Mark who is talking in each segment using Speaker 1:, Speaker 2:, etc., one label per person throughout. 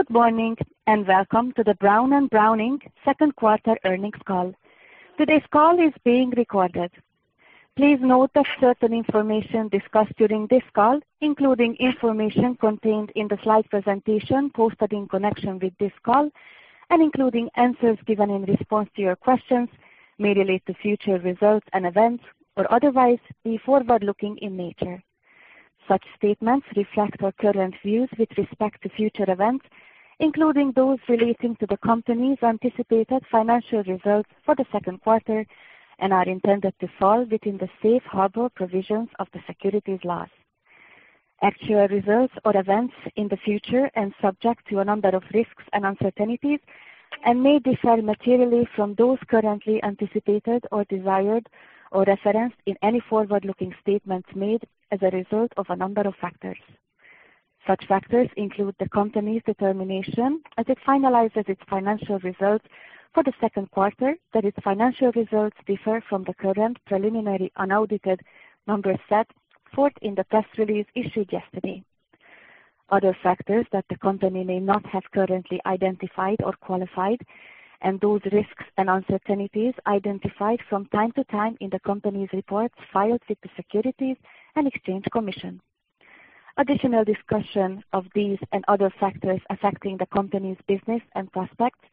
Speaker 1: Good morning, welcome to the Brown & Brown second quarter earnings call. Today's call is being recorded. Please note that certain information discussed during this call, including information contained in the slide presentation posted in connection with this call and including answers given in response to your questions, may relate to future results and events or otherwise be forward-looking in nature. Such statements reflect our current views with respect to future events, including those relating to the company's anticipated financial results for the second quarter, and are intended to fall within the safe harbor provisions of the securities laws. Actual results or events in the future and subject to a number of risks and uncertainties and may differ materially from those currently anticipated or desired or referenced in any forward-looking statements made as a result of a number of factors. Such factors include the company's determination as it finalizes its financial results for the second quarter that its financial results differ from the current preliminary unaudited numbers set forth in the press release issued yesterday. Other factors that the company may not have currently identified or qualified, and those risks and uncertainties identified from time to time in the Company's reports filed with the Securities and Exchange Commission. Additional discussion of these and other factors affecting the Company's business and prospects,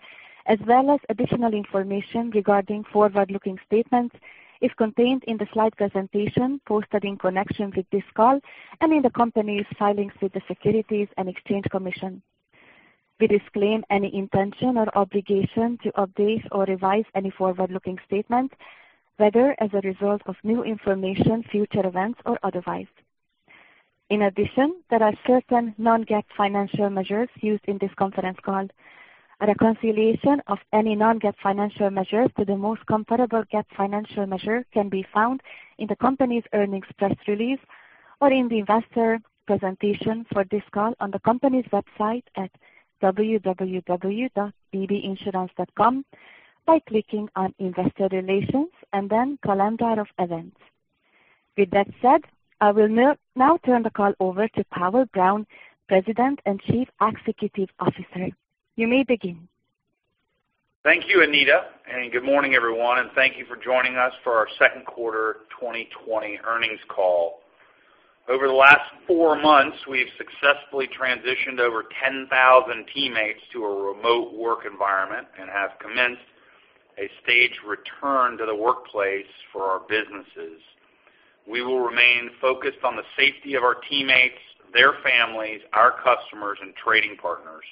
Speaker 1: as well as additional information regarding forward-looking statements, is contained in the slide presentation posted in connection with this call and in the Company's filings with the Securities and Exchange Commission. We disclaim any intention or obligation to update or revise any forward-looking statement, whether as a result of new information, future events, or otherwise. In addition, there are certain non-GAAP financial measures used in this conference call. A reconciliation of any non-GAAP financial measures to the most comparable GAAP financial measure can be found in the company's earnings press release or in the investor presentation for this call on the company's website at www.bbinsurance.com by clicking on Investor Relations and then Calendar of Events. With that said, I will now turn the call over to Powell Brown, President and Chief Executive Officer. You may begin.
Speaker 2: Thank you, Anita, and good morning, everyone, and thank you for joining us for our second quarter 2020 earnings call. Over the last four months, we've successfully transitioned over 10,000 teammates to a remote work environment and have commenced a staged return to the workplace for our businesses. We will remain focused on the safety of our teammates, their families, our customers, and trading partners.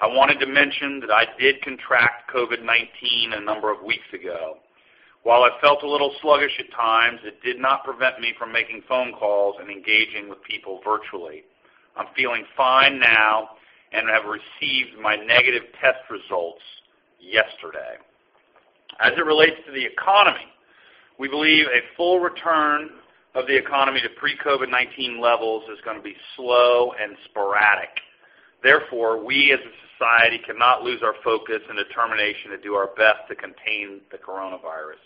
Speaker 2: I wanted to mention that I did contract COVID-19 a number of weeks ago. While I felt a little sluggish at times, it did not prevent me from making phone calls and engaging with people virtually. I'm feeling fine now and have received my negative test results yesterday. As it relates to the economy, we believe a full return of the economy to pre-COVID-19 levels is going to be slow and sporadic. We as a society cannot lose our focus and determination to do our best to contain the coronavirus.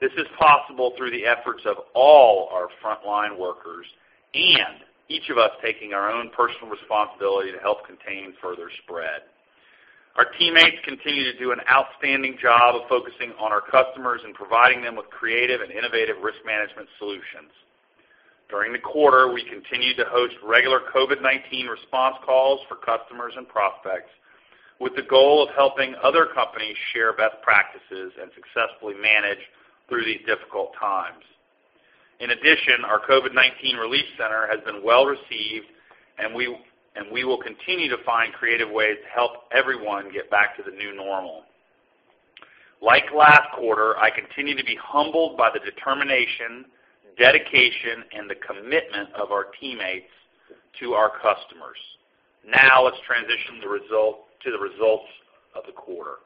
Speaker 2: This is possible through the efforts of all our frontline workers and each of us taking our own personal responsibility to help contain further spread. Our teammates continue to do an outstanding job of focusing on our customers and providing them with creative and innovative risk management solutions. During the quarter, we continued to host regular COVID-19 response calls for customers and prospects with the goal of helping other companies share best practices and successfully manage through these difficult times. Our COVID-19 relief center has been well-received, and we will continue to find creative ways to help everyone get back to the new normal. Like last quarter, I continue to be humbled by the determination, dedication, and the commitment of our teammates to our customers. Now let's transition to the results of the quarter.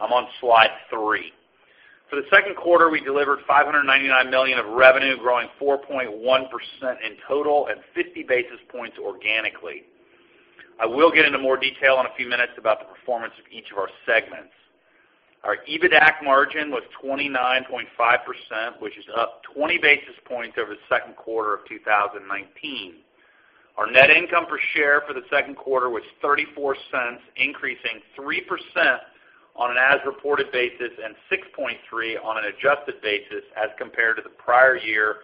Speaker 2: I'm on slide three. For the second quarter, we delivered $599 million of revenue, growing 4.1% in total and 50 basis points organically. I will get into more detail in a few minutes about the performance of each of our segments. Our EBITDA margin was 29.5%, which is up 20 basis points over the second quarter of 2019. Our net income per share for the second quarter was $0.34, increasing 3% on an as-reported basis and 6.3% on an adjusted basis as compared to the prior year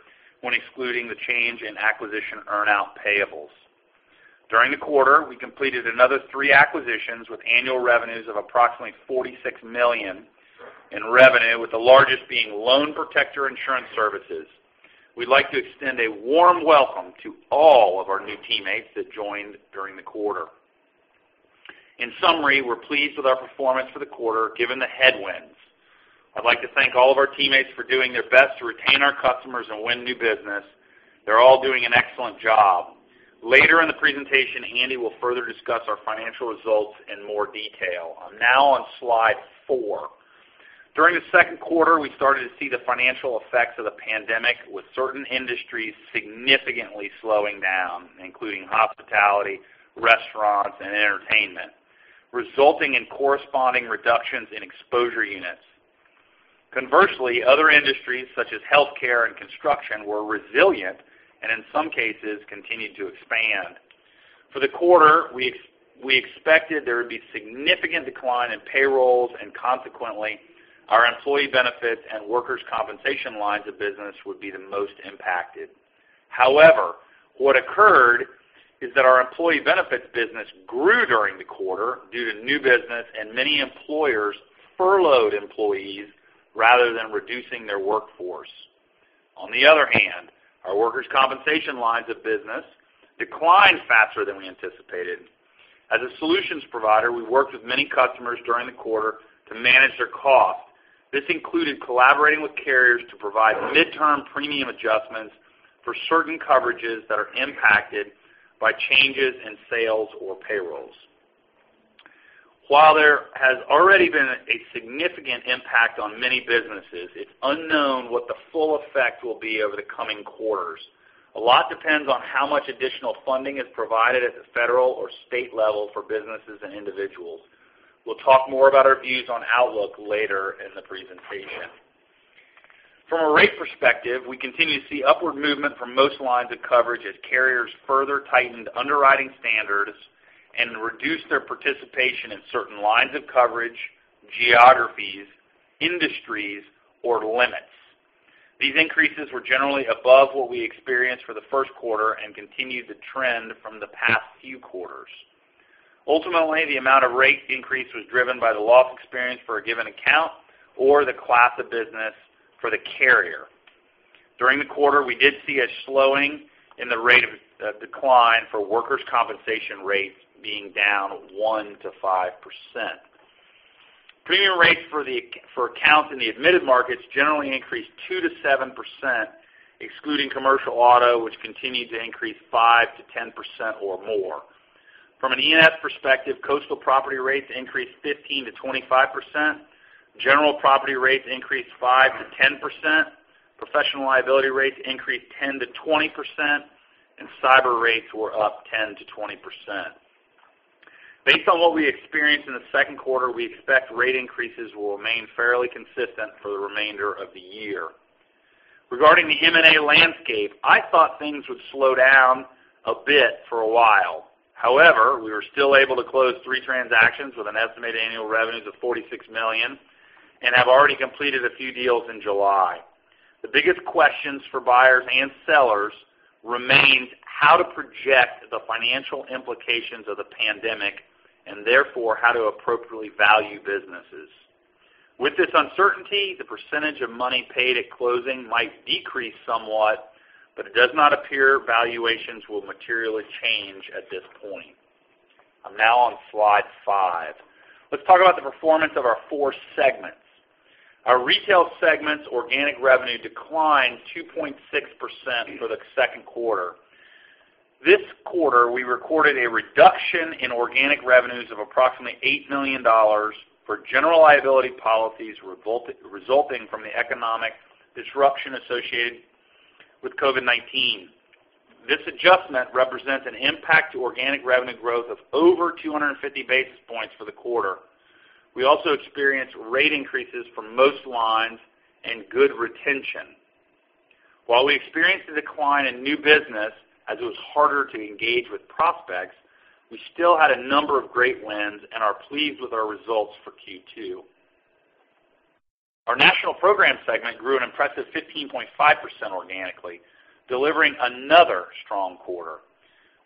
Speaker 2: when excluding the change in acquisition earn-out payables. During the quarter, we completed another three acquisitions with annual revenues of approximately $46 million in revenue, with the largest being Loan Protector Insurance Services. We'd like to extend a warm welcome to all of our new teammates that joined during the quarter. In summary, we're pleased with our performance for the quarter given the headwinds. I'd like to thank all of our teammates for doing their best to retain our customers and win new business. They're all doing an excellent job. Later in the presentation, Andy will further discuss our financial results in more detail. I'm now on slide four. During the second quarter, we started to see the financial effects of the pandemic with certain industries significantly slowing down, including hospitality, restaurants, and entertainment. Resulting in corresponding reductions in exposure units. Conversely, other industries such as healthcare and construction were resilient, and in some cases, continued to expand. For the quarter, we expected there would be significant decline in payrolls, and consequently, our employee benefits and workers' compensation lines of business would be the most impacted. However, what occurred is that our employee benefits business grew during the quarter due to new business and many employers furloughed employees rather than reducing their workforce. On the other hand, our workers' compensation lines of business declined faster than we anticipated. As a solutions provider, we worked with many customers during the quarter to manage their costs. This included collaborating with carriers to provide midterm premium adjustments for certain coverages that are impacted by changes in sales or payrolls. While there has already been a significant impact on many businesses, it's unknown what the full effect will be over the coming quarters. A lot depends on how much additional funding is provided at the federal or state level for businesses and individuals. We'll talk more about our views on outlook later in the presentation. From a rate perspective, we continue to see upward movement from most lines of coverage as carriers further tightened underwriting standards and reduced their participation in certain lines of coverage, geographies, industries, or limits. These increases were generally above what we experienced for the first quarter and continued the trend from the past few quarters. Ultimately, the amount of rate increase was driven by the loss experience for a given account or the class of business for the carrier. During the quarter, we did see a slowing in the rate of decline for workers' compensation rates being down 1%-5%. Premium rates for accounts in the admitted markets generally increased 2%-7%, excluding commercial auto, which continued to increase 5%-10% or more. From an E&S perspective, coastal property rates increased 15%-25%, general property rates increased 5%-10%, professional liability rates increased 10%-20%, and cyber rates were up 10%-20%. Based on what we experienced in the second quarter, we expect rate increases will remain fairly consistent for the remainder of the year. Regarding the M&A landscape, I thought things would slow down a bit for a while. We were still able to close three transactions with an estimated annual revenues of $46 million and have already completed a few deals in July. The biggest questions for buyers and sellers remains how to project the financial implications of the pandemic, and therefore, how to appropriately value businesses. With this uncertainty, the percentage of money paid at closing might decrease somewhat, but it does not appear valuations will materially change at this point. I'm now on slide five. Let's talk about the performance of our four segments. Our Retail Segment's organic revenue declined 2.6% for the second quarter. This quarter, we recorded a reduction in organic revenues of approximately $8 million for general liability policies resulting from the economic disruption associated with COVID-19. This adjustment represents an impact to organic revenue growth of over 250 basis points for the quarter. We also experienced rate increases for most lines and good retention. While we experienced a decline in new business as it was harder to engage with prospects, we still had a number of great wins and are pleased with our results for Q2. Our National Programs Segment grew an impressive 15.5% organically, delivering another strong quarter.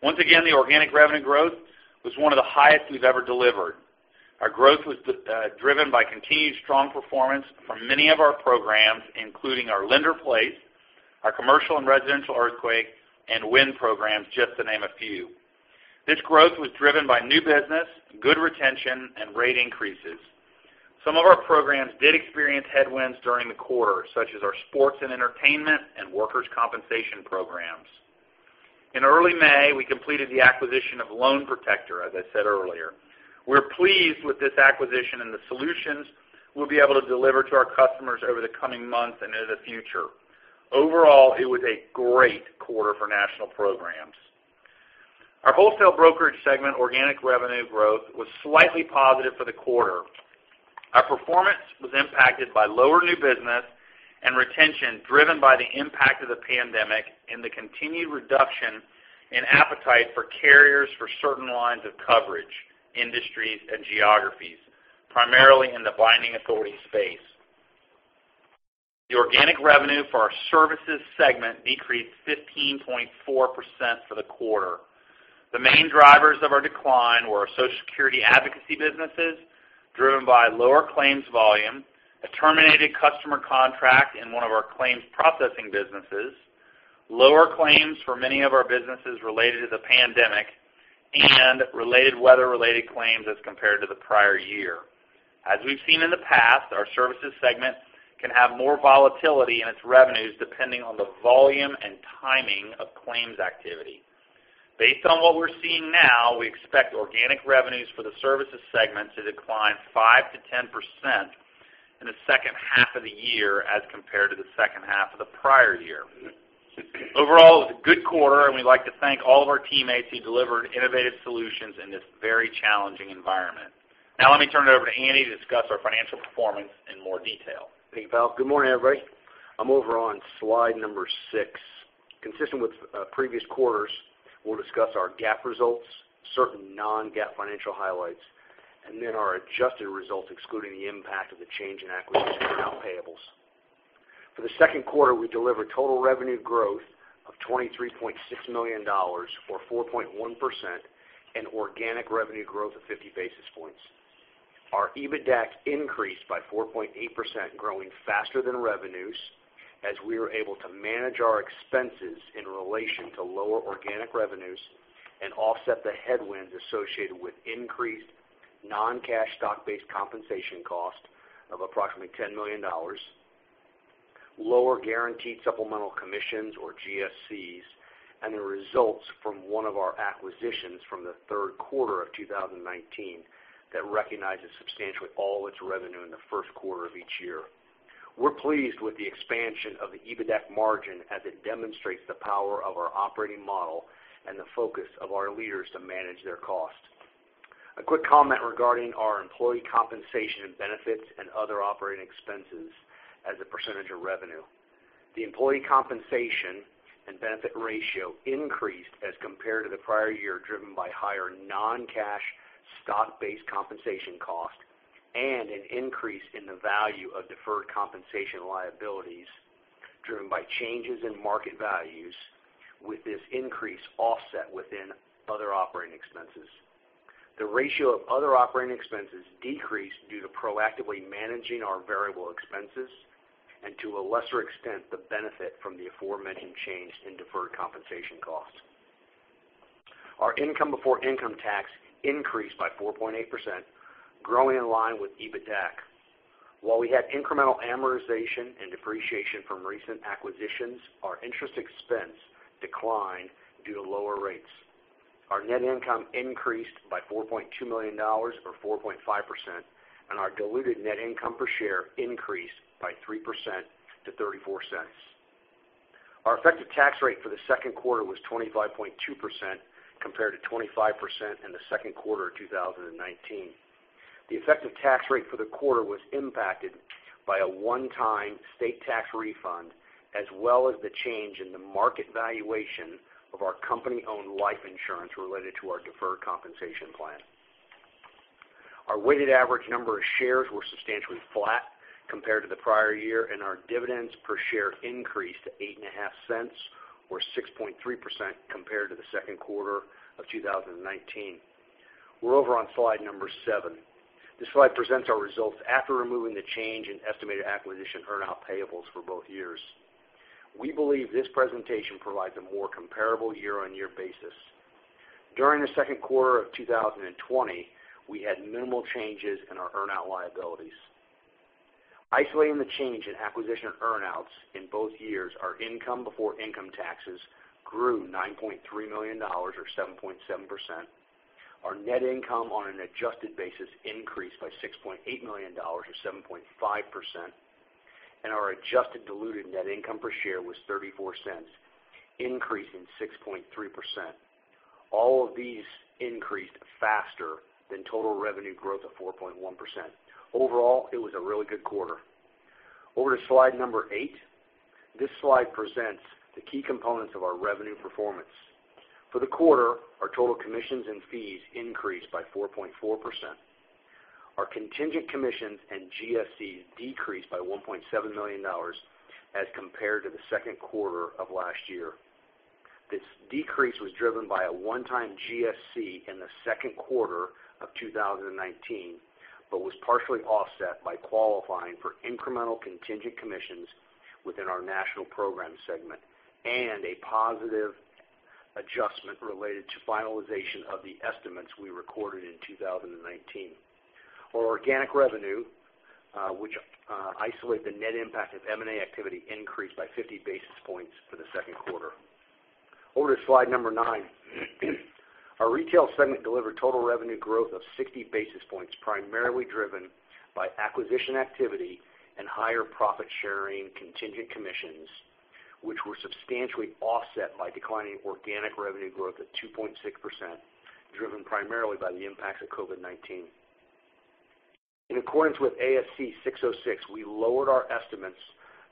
Speaker 2: Once again, the organic revenue growth was one of the highest we've ever delivered. Our growth was driven by continued strong performance from many of our programs, including our lender-placed, our commercial and residential earthquake, and wind programs, just to name a few. This growth was driven by new business, good retention, and rate increases. Some of our programs did experience headwinds during the quarter, such as our sports and entertainment and workers' compensation programs. In early May, we completed the acquisition of Loan Protector, as I said earlier. We're pleased with this acquisition and the solutions we'll be able to deliver to our customers over the coming months and into the future. Overall, it was a great quarter for National Programs. Our Wholesale Brokerage segment organic revenue growth was slightly positive for the quarter. Our performance was impacted by lower new business and retention driven by the impact of the pandemic and the continued reduction in appetite for carriers for certain lines of coverage, industries, and geographies, primarily in the binding authority space. The organic revenue for our Services segment decreased 15.4% for the quarter. The main drivers of our decline were our Social Security advocacy businesses driven by lower claims volume, a terminated customer contract in one of our claims processing businesses, lower claims for many of our businesses related to the pandemic, and related weather-related claims as compared to the prior year. As we've seen in the past, our Services segment can have more volatility in its revenues depending on the volume and timing of claims activity. Based on what we're seeing now, we expect organic revenues for the Services Segment to decline 5%-10% in the second half of the year as compared to the second half of the prior year. Overall, it was a good quarter, and we'd like to thank all of our teammates who delivered innovative solutions in this very challenging environment. Now let me turn it over to Andy to discuss our financial performance in more detail.
Speaker 3: Thank you, Powell. Good morning, everybody. I'm over on slide number six. Consistent with previous quarters, we'll discuss our GAAP results, certain non-GAAP financial highlights, and then our adjusted results excluding the impact of the change in acquisition earnout payables. For the second quarter, we delivered total revenue growth of $23.6 million, or 4.1%, and organic revenue growth of 50 basis points. Our EBITDAC increased by 4.8%, growing faster than revenues as we were able to manage our expenses in relation to lower organic revenues and offset the headwinds associated with increased non-cash stock-based compensation cost of approximately $10 million, lower guaranteed supplemental commissions or GSCs, and the results from one of our acquisitions from the third quarter of 2019 that recognizes substantially all its revenue in the first quarter of each year. We're pleased with the expansion of the EBITDAC margin as it demonstrates the power of our operating model and the focus of our leaders to manage their costs. A quick comment regarding our employee compensation and benefits and other operating expenses as a percentage of revenue. The employee compensation and benefit ratio increased as compared to the prior year, driven by higher non-cash stock-based compensation cost and an increase in the value of deferred compensation liabilities driven by changes in market values with this increase offset within other operating expenses. The ratio of other operating expenses decreased due to proactively managing our variable expenses, and to a lesser extent, the benefit from the aforementioned change in deferred compensation costs. Our income before income tax increased by 4.8%, growing in line with EBITDAC. While we had incremental amortization and depreciation from recent acquisitions, our interest expense declined due to lower rates. Our net income increased by $4.2 million, or 4.5%, and our diluted net income per share increased by 3% to $0.34. Our effective tax rate for the second quarter was 25.2%, compared to 25% in the second quarter of 2019. The effective tax rate for the quarter was impacted by a one-time state tax refund, as well as the change in the market valuation of our company-owned life insurance related to our deferred compensation plan. Our weighted average number of shares were substantially flat compared to the prior year, and our dividends per share increased to $0.085, or 6.3%, compared to the second quarter of 2019. We're over on slide number seven. This slide presents our results after removing the change in estimated acquisition earnout payables for both years. We believe this presentation provides a more comparable year-on-year basis. During the second quarter of 2020, we had minimal changes in our earnout liabilities. Isolating the change in acquisition earnouts in both years, our income before income taxes grew $9.3 million or 7.7%. Our net income on an adjusted basis increased by $6.8 million or 7.5%, and our adjusted diluted net income per share was $0.34, increasing 6.3%. All of these increased faster than total revenue growth of 4.1%. Overall, it was a really good quarter. Over to slide number eight. This slide presents the key components of our revenue performance. For the quarter, our total commissions and fees increased by 4.4%. Our contingent commissions and GSCs decreased by $1.7 million as compared to the second quarter of last year. This decrease was driven by a one-time GSC in the second quarter of 2019, but was partially offset by qualifying for incremental contingent commissions within our National Program Segment, and a positive adjustment related to finalization of the estimates we recorded in 2019. Our organic revenue, which isolate the net impact of M&A activity, increased by 50 basis points for the second quarter. Over to slide number nine. Our Retail Segment delivered total revenue growth of 60 basis points, primarily driven by acquisition activity and higher profit-sharing contingent commissions, which were substantially offset by declining organic revenue growth at 2.6%, driven primarily by the impacts of COVID-19. In accordance with ASC 606, we lowered our estimates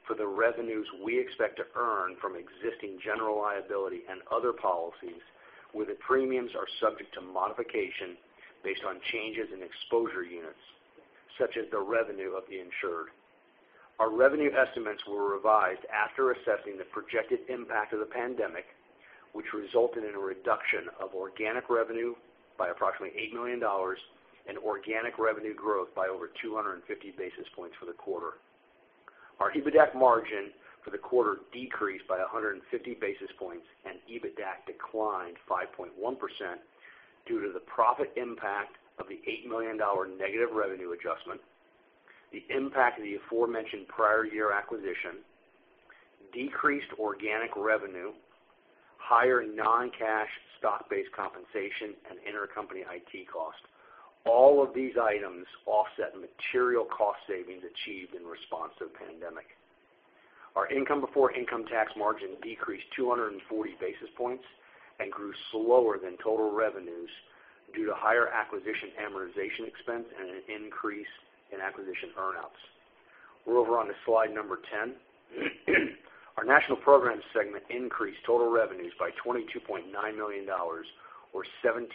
Speaker 3: for the revenues we expect to earn from existing general liability and other policies, where the premiums are subject to modification based on changes in exposure units, such as the revenue of the insured. Our revenue estimates were revised after assessing the projected impact of the pandemic, which resulted in a reduction of organic revenue by approximately $8 million and organic revenue growth by over 250 basis points for the quarter. Our EBITDAC margin for the quarter decreased by 150 basis points, and EBITDAC declined 5.1% due to the profit impact of the $8 million negative revenue adjustment, the impact of the aforementioned prior year acquisition, decreased organic revenue, higher non-cash stock-based compensation and intercompany IT costs. All of these items offset material cost savings achieved in response to the pandemic. Our income before income tax margin decreased 240 basis points and grew slower than total revenues due to higher acquisition amortization expense and an increase in acquisition earn-outs. We're over on to slide number 10. Our National Programs segment increased total revenues by $22.9 million, or 17.4%,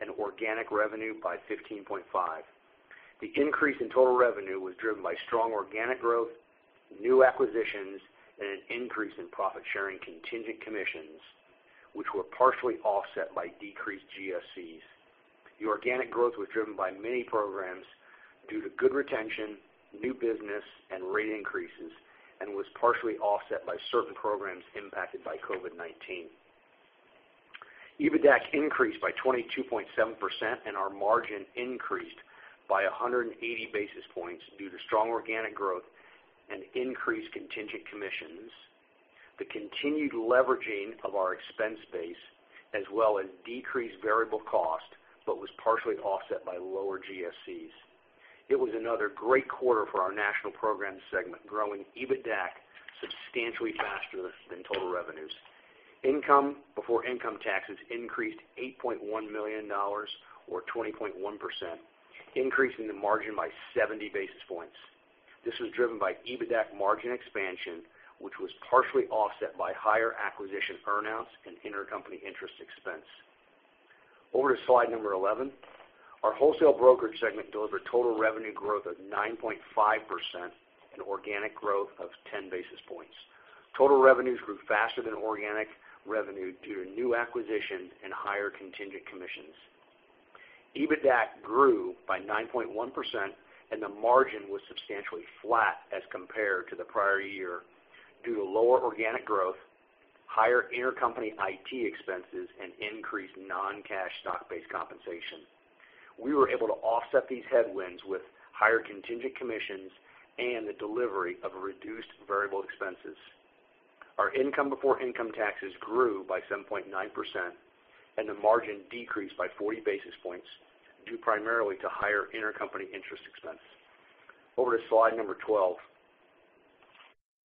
Speaker 3: and organic revenue by 15.5%. The increase in total revenue was driven by strong organic growth, new acquisitions, and an increase in profit-sharing contingent commissions, which were partially offset by decreased GSCs. The organic growth was driven by many programs due to good retention, new business, and rate increases, and was partially offset by certain programs impacted by COVID-19. EBITDAC increased by 22.7%, and our margin increased by 180 basis points due to strong organic growth and increased contingent commissions. The continued leveraging of our expense base, as well as decreased variable cost, but was partially offset by lower GSCs. It was another great quarter for our National Programs segment, growing EBITDAC substantially faster than total revenues. Income before income taxes increased $8.1 million or 20.1%, increasing the margin by 70 basis points. This was driven by EBITDAC margin expansion, which was partially offset by higher acquisition earn-outs and intercompany interest expense. Over to slide number 11. Our Wholesale Brokerage segment delivered total revenue growth of 9.5% and organic growth of 10 basis points. Total revenues grew faster than organic revenue due to new acquisitions and higher contingent commissions. EBITDAC grew by 9.1%, and the margin was substantially flat as compared to the prior year due to lower organic growth, higher intercompany IT expenses, and increased non-cash stock-based compensation. We were able to offset these headwinds with higher contingent commissions and the delivery of reduced variable expenses. Our income before income taxes grew by 7.9%, and the margin decreased by 40 basis points, due primarily to higher intercompany interest expense. Over to slide number 12.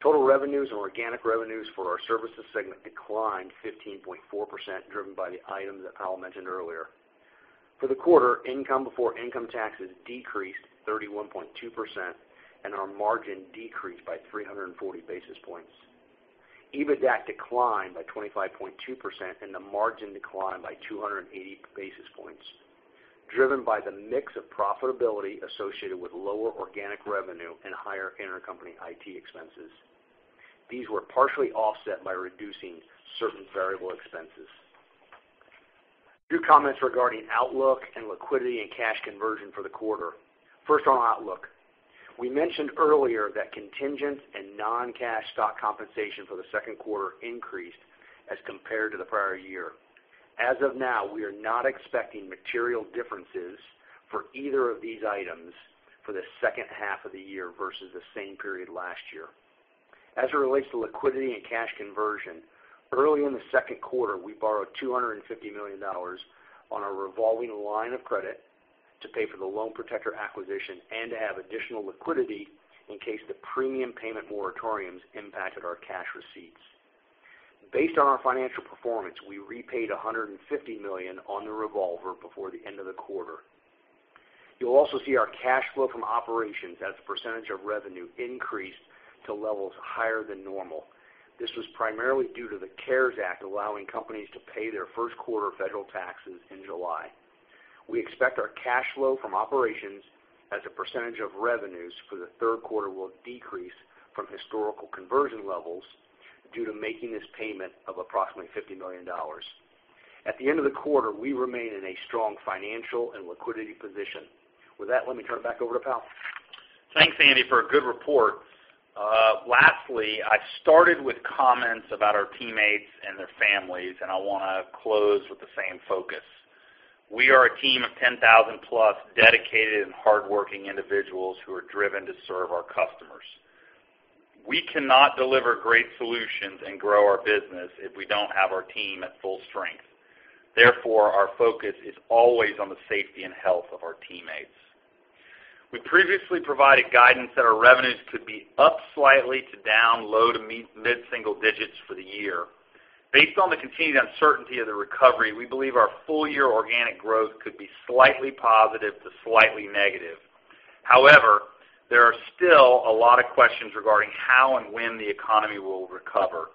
Speaker 3: Total revenues and organic revenues for our Services segment declined 15.4%, driven by the items that Powell mentioned earlier. For the quarter, income before income taxes decreased 31.2%, and our margin decreased by 340 basis points. EBITDAC declined by 25.2%. The margin declined by 280 basis points, driven by the mix of profitability associated with lower organic revenue and higher intercompany IT expenses. These were partially offset by reducing certain variable expenses. A few comments regarding outlook and liquidity and cash conversion for the quarter. First on outlook. We mentioned earlier that contingent and non-cash stock compensation for the second quarter increased as compared to the prior year. As of now, we are not expecting material differences for either of these items for the second half of the year versus the same period last year. As it relates to liquidity and cash conversion, early in the second quarter, we borrowed $250 million on our revolving line of credit to pay for the Loan Protector acquisition and to have additional liquidity in case the premium payment moratoriums impacted our cash receipts. Based on our financial performance, we repaid $150 million on the revolver before the end of the quarter. You'll also see our cash flow from operations as a percentage of revenue increased to levels higher than normal. This was primarily due to the CARES Act allowing companies to pay their first quarter federal taxes in July. We expect our cash flow from operations as a percentage of revenues for the third quarter will decrease from historical conversion levels due to making this payment of approximately $50 million. At the end of the quarter, we remain in a strong financial and liquidity position. With that, let me turn it back over to Powell.
Speaker 2: Thanks, Andy, for a good report. Lastly, I started with comments about our teammates and their families, and I want to close with the same focus. We are a team of 10,000+ dedicated and hardworking individuals who are driven to serve our customers. We cannot deliver great solutions and grow our business if we don't have our team at full strength. Therefore, our focus is always on the safety and health of our teammates. We previously provided guidance that our revenues could be up slightly to down low to mid-single digits for the year. Based on the continued uncertainty of the recovery, we believe our full-year organic growth could be slightly positive to slightly negative. However, there are still a lot of questions regarding how and when the economy will recover.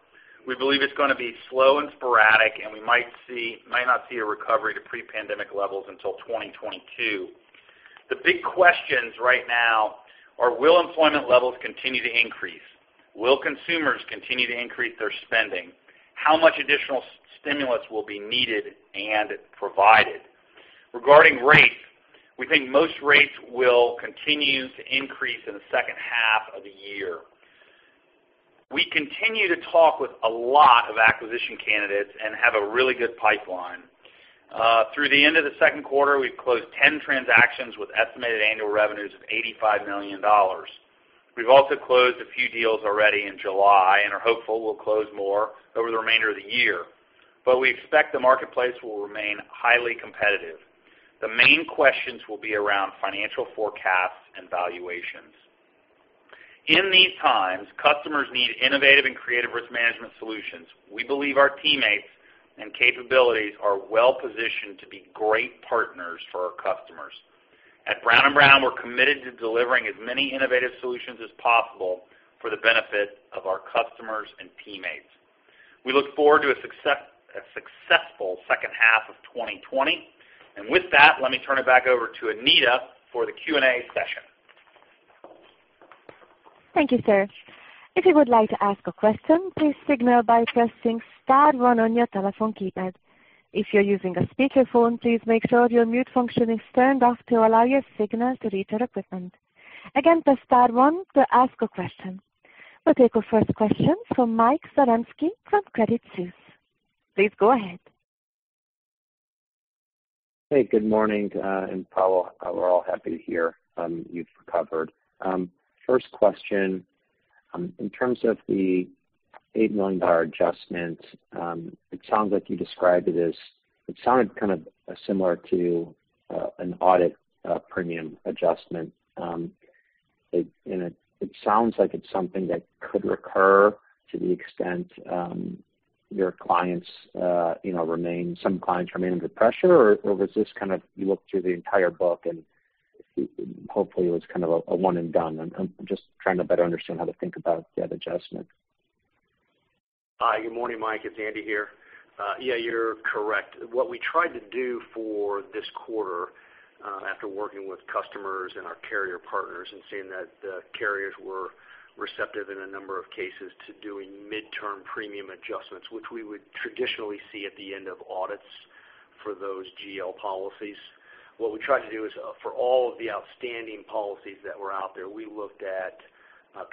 Speaker 2: We believe it's going to be slow and sporadic, and we might not see a recovery to pre-pandemic levels until 2022. The big questions right now are will employment levels continue to increase? Will consumers continue to increase their spending? How much additional stimulus will be needed and provided? Regarding rates, we think most rates will continue to increase in the second half of the year. We continue to talk with a lot of acquisition candidates and have a really good pipeline. Through the end of the second quarter, we've closed 10 transactions with estimated annual revenues of $85 million. We've also closed a few deals already in July and are hopeful we'll close more over the remainder of the year. We expect the marketplace will remain highly competitive. The main questions will be around financial forecasts and valuations. In these times, customers need innovative and creative risk management solutions. We believe our teammates and capabilities are well-positioned to be great partners for our customers. At Brown & Brown, we're committed to delivering as many innovative solutions as possible for the benefit of our customers and teammates. We look forward to a successful second half of 2020. With that, let me turn it back over to Anita for the Q&A session.
Speaker 1: Thank you, sir. If you would like to ask a question, please signal by pressing star one on your telephone keypad. If you're using a speakerphone, please make sure your mute function is turned off to allow your signal to reach our equipment. Again, press star one to ask a question. We'll take our first question from Mike Zaremski from Credit Suisse. Please go ahead.
Speaker 4: Hey, good morning. Powell, we're all happy to hear you've recovered. First question, in terms of the $8 million adjustment, it sounds like you described it as It sounded kind of similar to an audit premium adjustment. It sounds like it's something that could recur to the extent some clients remain under pressure, or was this kind of you looked through the entire book, and hopefully it was kind of a one and done? I'm just trying to better understand how to think about that adjustment.
Speaker 3: Hi. Good morning, Mike. It's Andy here. You're correct. What we tried to do for this quarter, after working with customers and our carrier partners and seeing that the carriers were receptive in a number of cases to doing midterm premium adjustments, which we would traditionally see at the end of audits for those GL policies. What we tried to do is, for all of the outstanding policies that were out there, we looked at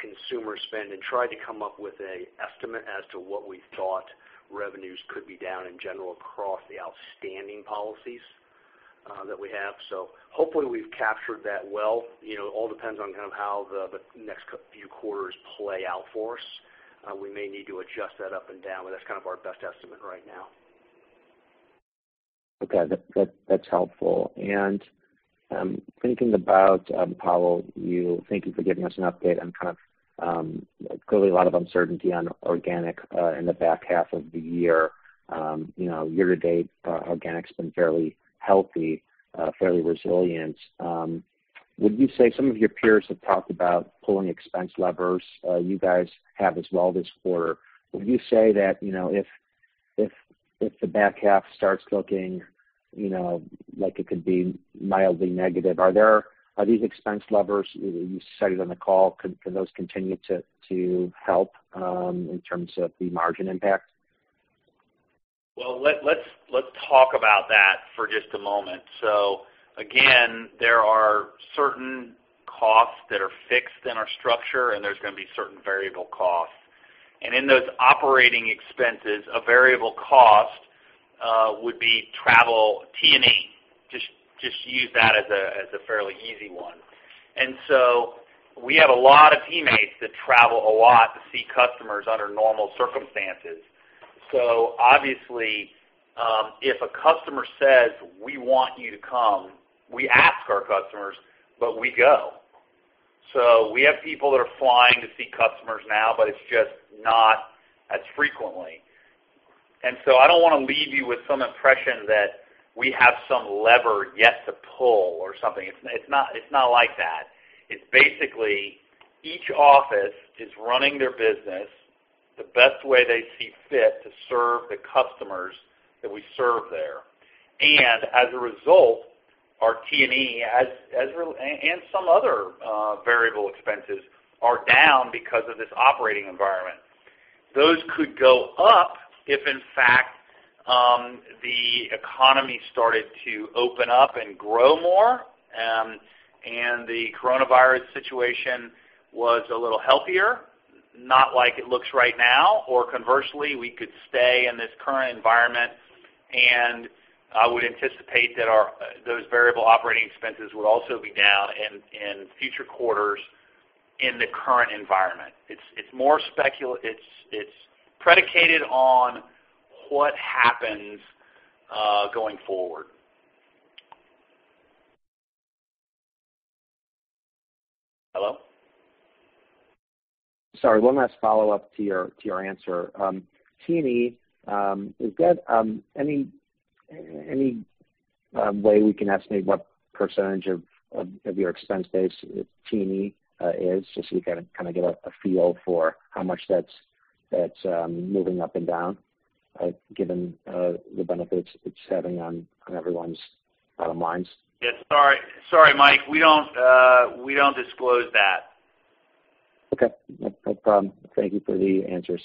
Speaker 3: consumer spend and tried to come up with an estimate as to what we thought revenues could be down in general across the outstanding policies that we have. Hopefully we've captured that well. It all depends on kind of how the next few quarters play out for us. We may need to adjust that up and down, but that's kind of our best estimate right now.
Speaker 4: Okay. That's helpful. Thinking about, Powell, thank you for giving us an update on kind of, clearly a lot of uncertainty on organic in the back half of the year. Year to date, organic's been fairly healthy, fairly resilient. Some of your peers have talked about pulling expense levers. You guys have as well this quarter. Would you say that if the back half starts looking like it could be mildly negative, are these expense levers, you cited on the call, can those continue to help in terms of the margin impact?
Speaker 2: Well, let's talk about that for just a moment. Again, there are certain costs that are fixed in our structure, and there's going to be certain variable costs. In those operating expenses, a variable cost would be travel, T&E, just use that as a fairly easy one. We have a lot of teammates that travel a lot to see customers under normal circumstances. Obviously, if a customer says, "We want you to come," we ask our customers, but we go. We have people that are flying to see customers now, but it's just not as frequently. I don't want to leave you with some impression that we have some lever yet to pull or something. It's not like that. It's basically each office is running their business the best way they see fit to serve the customers that we serve there. As a result, our T&E, and some other variable expenses are down because of this operating environment. Those could go up if, in fact, the economy started to open up and grow more, and the coronavirus situation was a little healthier, not like it looks right now. Conversely, we could stay in this current environment, and I would anticipate that those variable operating expenses would also be down in future quarters in the current environment. It's predicated on what happens going forward. Hello?
Speaker 4: Sorry, one last follow-up to your answer. T&E, is that any way we can estimate what percentage of your expense base T&E is, just so you kind of get a feel for how much that's moving up and down, given the benefits it's having on everyone's bottom lines?
Speaker 2: Yeah. Sorry, Mike. We don't disclose that.
Speaker 4: Okay. No problem. Thank you for the answers.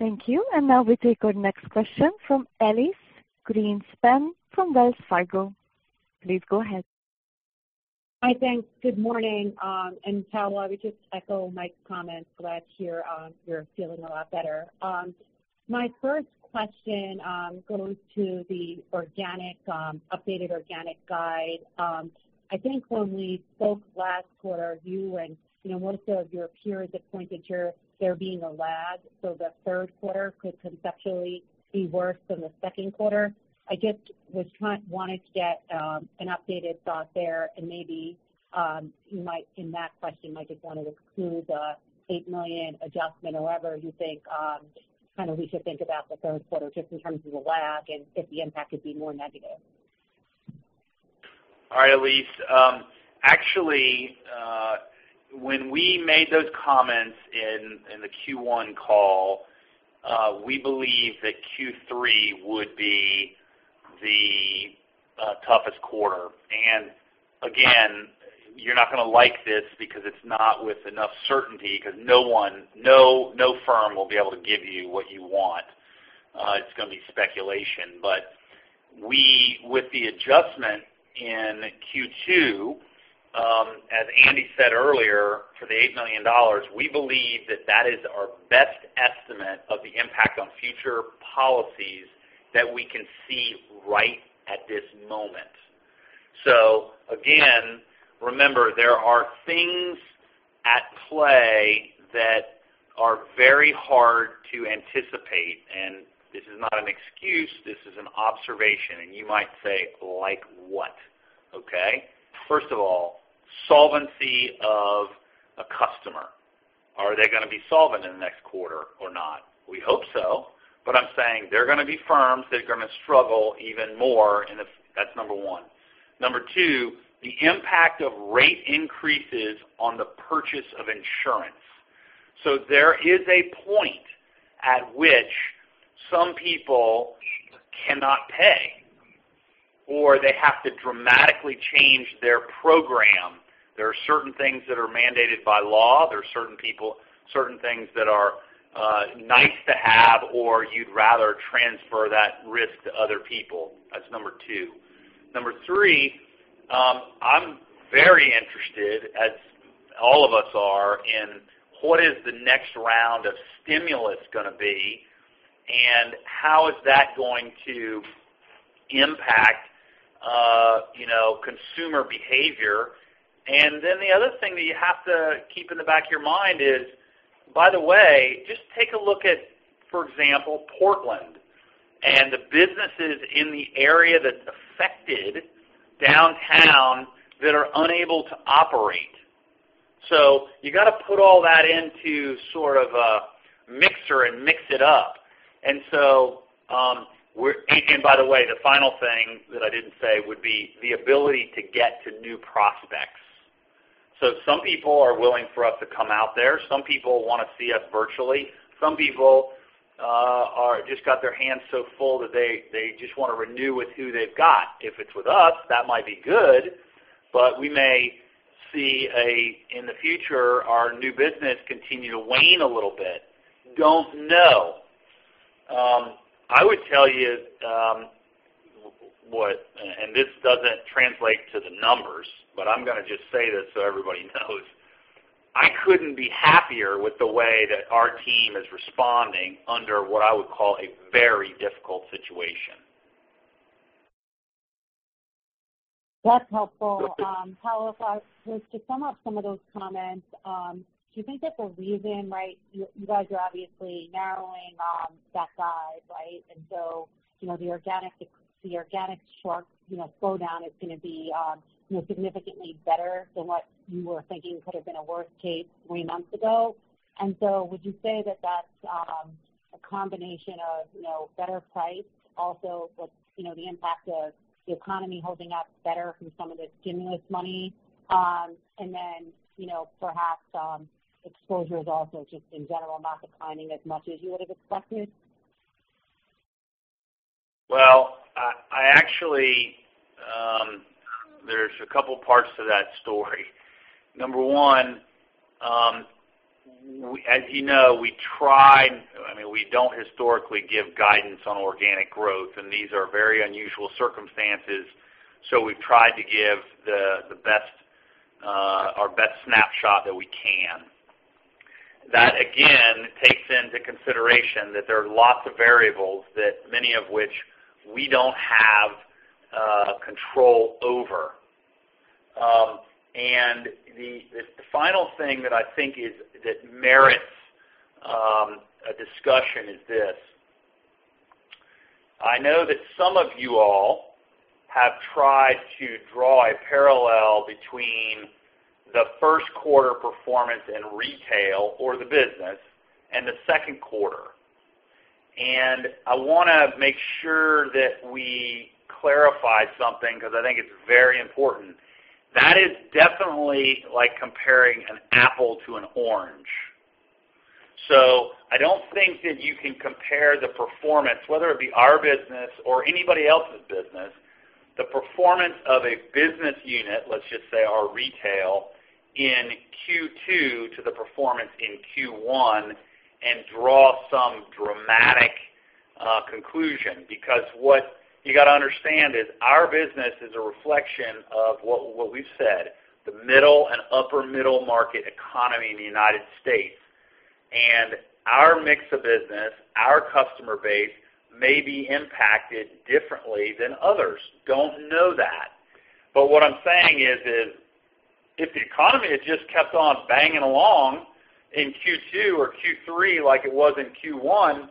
Speaker 1: Thank you. Now we take our next question from Elyse Greenspan from Wells Fargo. Please go ahead.
Speaker 5: Hi, thanks. Good morning. Powell, I would just echo Mike's comments. Glad to hear you're feeling a lot better. My first question goes to the updated organic guide. I think when we spoke last quarter, you and most of your peers had pointed to there being a lag, so the third quarter could conceptually be worse than the second quarter. I just wanted to get an updated thought there, and maybe you might, in that question, might just want to include the $8 million adjustment or whatever you think, how we should think about the third quarter just in terms of the lag and if the impact could be more negative.
Speaker 2: All right, Elyse. Actually, when we made those comments in the Q1 call, we believed that Q3 would be the toughest quarter. Again, you're not going to like this because it's not with enough certainty, because no firm will be able to give you what you want. It's going to be speculation. With the adjustment in Q2, as Andy said earlier, for the $8 million, we believe that that is our best estimate of the impact on future policies that we can see right at this moment. Again, remember, there are things at play that are very hard to anticipate. This is not an excuse, this is an observation. You might say, "Like what?" Okay. First of all, solvency of a customer. Are they going to be solvent in the next quarter or not? We hope so. I'm saying there are going to be firms that are going to struggle even more, and that's number one. Number two, the impact of rate increases on the purchase of insurance. There is a point at which some people cannot pay, or they have to dramatically change their program. There are certain things that are mandated by law. There are certain things that are nice to have, or you'd rather transfer that risk to other people. That's number two. Number three, I'm very interested, as all of us are, in what is the next round of stimulus going to be, and how is that going to impact consumer behavior. The other thing that you have to keep in the back of your mind is, by the way, just take a look at, for example, Portland, and the businesses in the area that's affected downtown that are unable to operate. You've got to put all that into sort of a mixer and mix it up. By the way, the final thing that I didn't say would be the ability to get to new prospects. Some people are willing for us to come out there. Some people want to see us virtually. Some people just got their hands so full that they just want to renew with who they've got. If it's with us, that might be good, but we may see, in the future, our new business continue to wane a little bit. Don't know. I would tell you what, and this doesn't translate to the numbers, but I'm going to just say this so everybody knows. I couldn't be happier with the way that our team is responding under what I would call a very difficult situation.
Speaker 5: That's helpful. Powell, if I was to sum up some of those comments, do you think that the reason, you guys are obviously narrowing that guide. The organic slowdown is going to be significantly better than what you were thinking could have been a worst case three months ago. Would you say that that's a combination of better price, also the impact of the economy holding up better from some of the stimulus money, and then perhaps exposures also just in general, not declining as much as you would have expected?
Speaker 2: Well, there's a couple parts to that story. Number one, as you know, we don't historically give guidance on organic growth, and these are very unusual circumstances. We've tried to give our best snapshot that we can. That, again, takes into consideration that there are lots of variables that many of which we don't have control over. The final thing that I think that merits a discussion is this. I know that some of you all have tried to draw a parallel between the first quarter performance in retail or the business and the second quarter. I want to make sure that we clarify something because I think it's very important. That is definitely like comparing an apple to an orange. I don't think that you can compare the performance, whether it be our business or anybody else's business, the performance of a business unit, let's just say our retail, in Q2 to the performance in Q1 and draw some dramatic a conclusion, because what you got to understand is our business is a reflection of what we've said, the middle and upper middle market economy in the United States. Our mix of business, our customer base, may be impacted differently than others. Don't know that. What I'm saying is, if the economy had just kept on banging along in Q2 or Q3 like it was in Q1,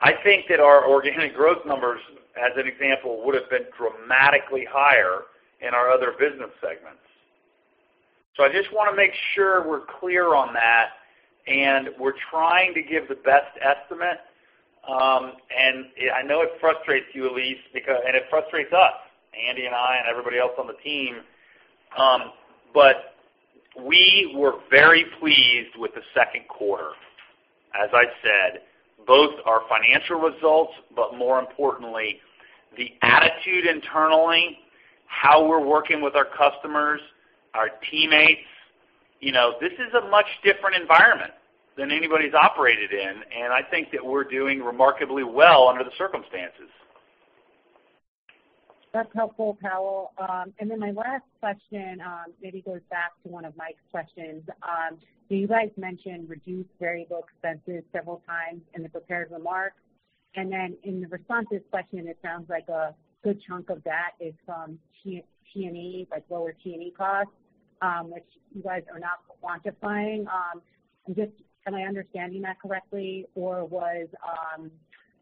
Speaker 2: I think that our organic growth numbers, as an example, would've been dramatically higher in our other business segments. I just want to make sure we're clear on that, and we're trying to give the best estimate. I know it frustrates you, Elyse, and it frustrates us, Andy and I and everybody else on the team. We were very pleased with the second quarter. As I've said, both our financial results, but more importantly, the attitude internally, how we're working with our customers, our teammates. This is a much different environment than anybody's operated in, and I think that we're doing remarkably well under the circumstances.
Speaker 5: That's helpful, Powell. My last question maybe goes back to one of Mike's questions. You guys mentioned reduced variable expenses several times in the prepared remarks. In the responsive question, it sounds like a good chunk of that is from T&E, like lower T&E costs, which you guys are not quantifying. Am I understanding that correctly?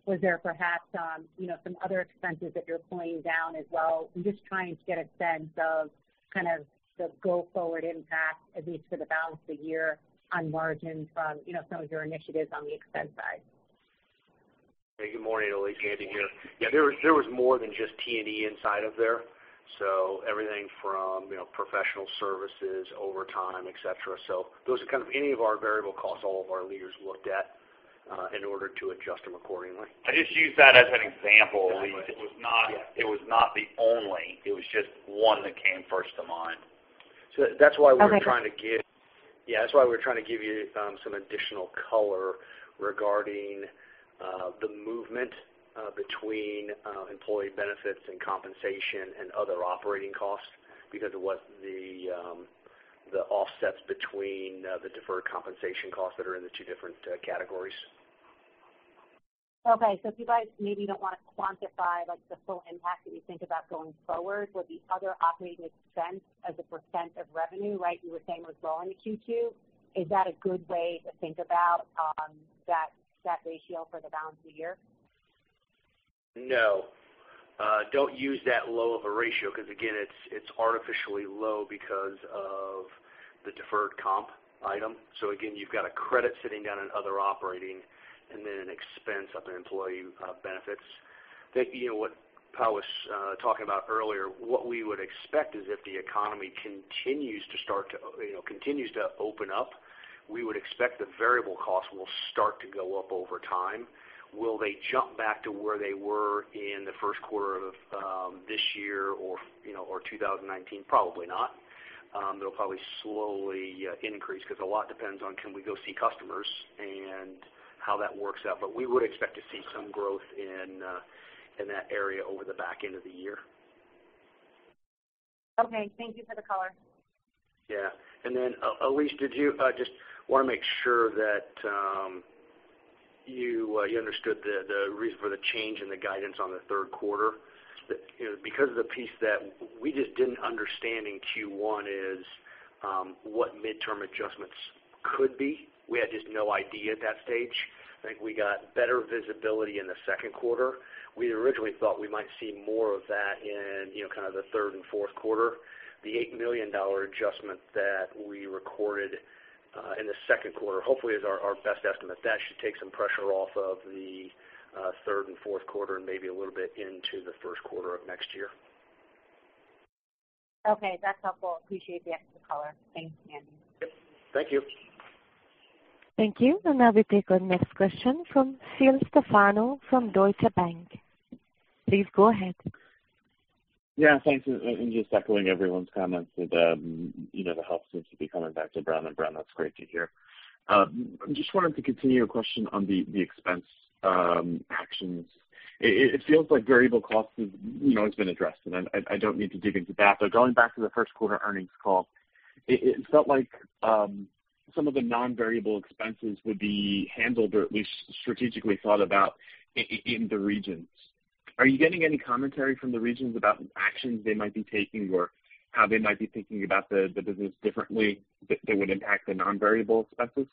Speaker 5: Was there perhaps some other expenses that you're pulling down as well? I'm just trying to get a sense of kind of the go forward impact, at least for the balance of the year, on margins from some of your initiatives on the expense side.
Speaker 3: Hey, good morning, Elyse. Andy here.
Speaker 5: Good morning.
Speaker 3: There was more than just T&E inside of there, everything from professional services, overtime, et cetera. Those are kind of any of our variable costs all of our leaders looked at in order to adjust them accordingly.
Speaker 2: I just used that as an example, Elyse.
Speaker 3: Right. Yeah.
Speaker 2: It was not the only, it was just one that came first to mind.
Speaker 3: So that's why we're trying to give-
Speaker 5: Okay
Speaker 3: Yeah, that's why we're trying to give you some additional color regarding the movement between employee benefits and compensation and other operating costs because of what the offsets between the deferred compensation costs that are in the two different categories.
Speaker 5: If you guys maybe don't want to quantify like the full impact that you think about going forward, would the other operating expense as a percent of revenue, right, you were saying was low in Q2. Is that a good way to think about that ratio for the balance of the year?
Speaker 3: No. Don't use that low of a ratio because, again, it's artificially low because of the deferred comp item. Again, you've got a credit sitting down in other operating and then an expense up in employee benefits. I think what Powell was talking about earlier, what we would expect is if the economy continues to open up, we would expect the variable costs will start to go up over time. Will they jump back to where they were in the first quarter of this year or 2019? Probably not. They'll probably slowly increase because a lot depends on can we go see customers and how that works out. We would expect to see some growth in that area over the back end of the year.
Speaker 5: Okay. Thank you for the color.
Speaker 3: Yeah. Elyse, just want to make sure that you understood the reason for the change in the guidance on the third quarter? Because of the piece that we just didn't understand in Q1 is what midterm adjustments could be. We had just no idea at that stage. I think we got better visibility in the second quarter. We'd originally thought we might see more of that in kind of the third and fourth quarter. The $8 million adjustment that we recorded in the second quarter, hopefully, is our best estimate. That should take some pressure off of the third and fourth quarter and maybe a little bit into the first quarter of next year.
Speaker 5: Okay. That's helpful. Appreciate the extra color. Thanks, Andy.
Speaker 3: Yep. Thank you.
Speaker 1: Thank you. Now we take our next question from Phil Stefano from Deutsche Bank. Please go ahead.
Speaker 6: Yeah. Thanks. Just echoing everyone's comments that the help seems to be coming back to Brown & Brown. That's great to hear. Just wanted to continue a question on the expense actions. It feels like variable costs has been addressed, and I don't need to dig into that. Going back to the first quarter earnings call, it felt like some of the non-variable expenses would be handled, or at least strategically thought about in the regions. Are you getting any commentary from the regions about actions they might be taking or how they might be thinking about the business differently that would impact the non-variable expenses?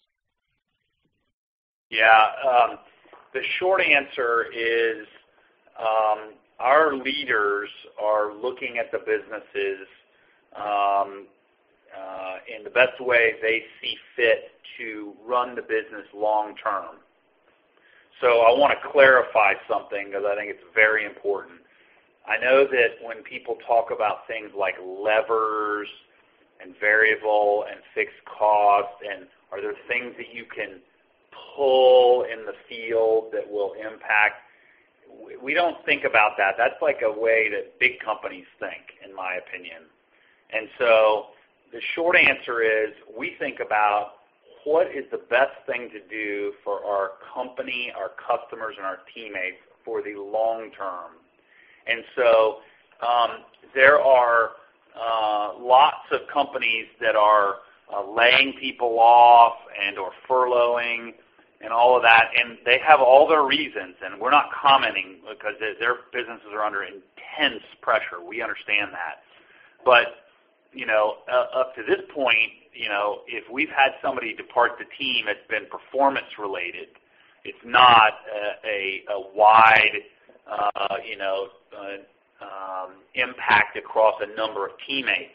Speaker 2: The short answer is, our leaders are looking at the businesses in the best way they see fit to run the business long term. I want to clarify something because I think it's very important. I know that when people talk about things like levers and variable and fixed costs. Other things that you can pull in the field that will impact. We don't think about that. That's like a way that big companies think, in my opinion. The short answer is, we think about what is the best thing to do for our company, our customers, and our teammates for the long term. There are lots of companies that are laying people off and/or furloughing and all of that, and they have all their reasons, and we're not commenting because their businesses are under intense pressure. We understand that. Up to this point, if we've had somebody depart the team, it's been performance related. It's not a wide impact across a number of teammates.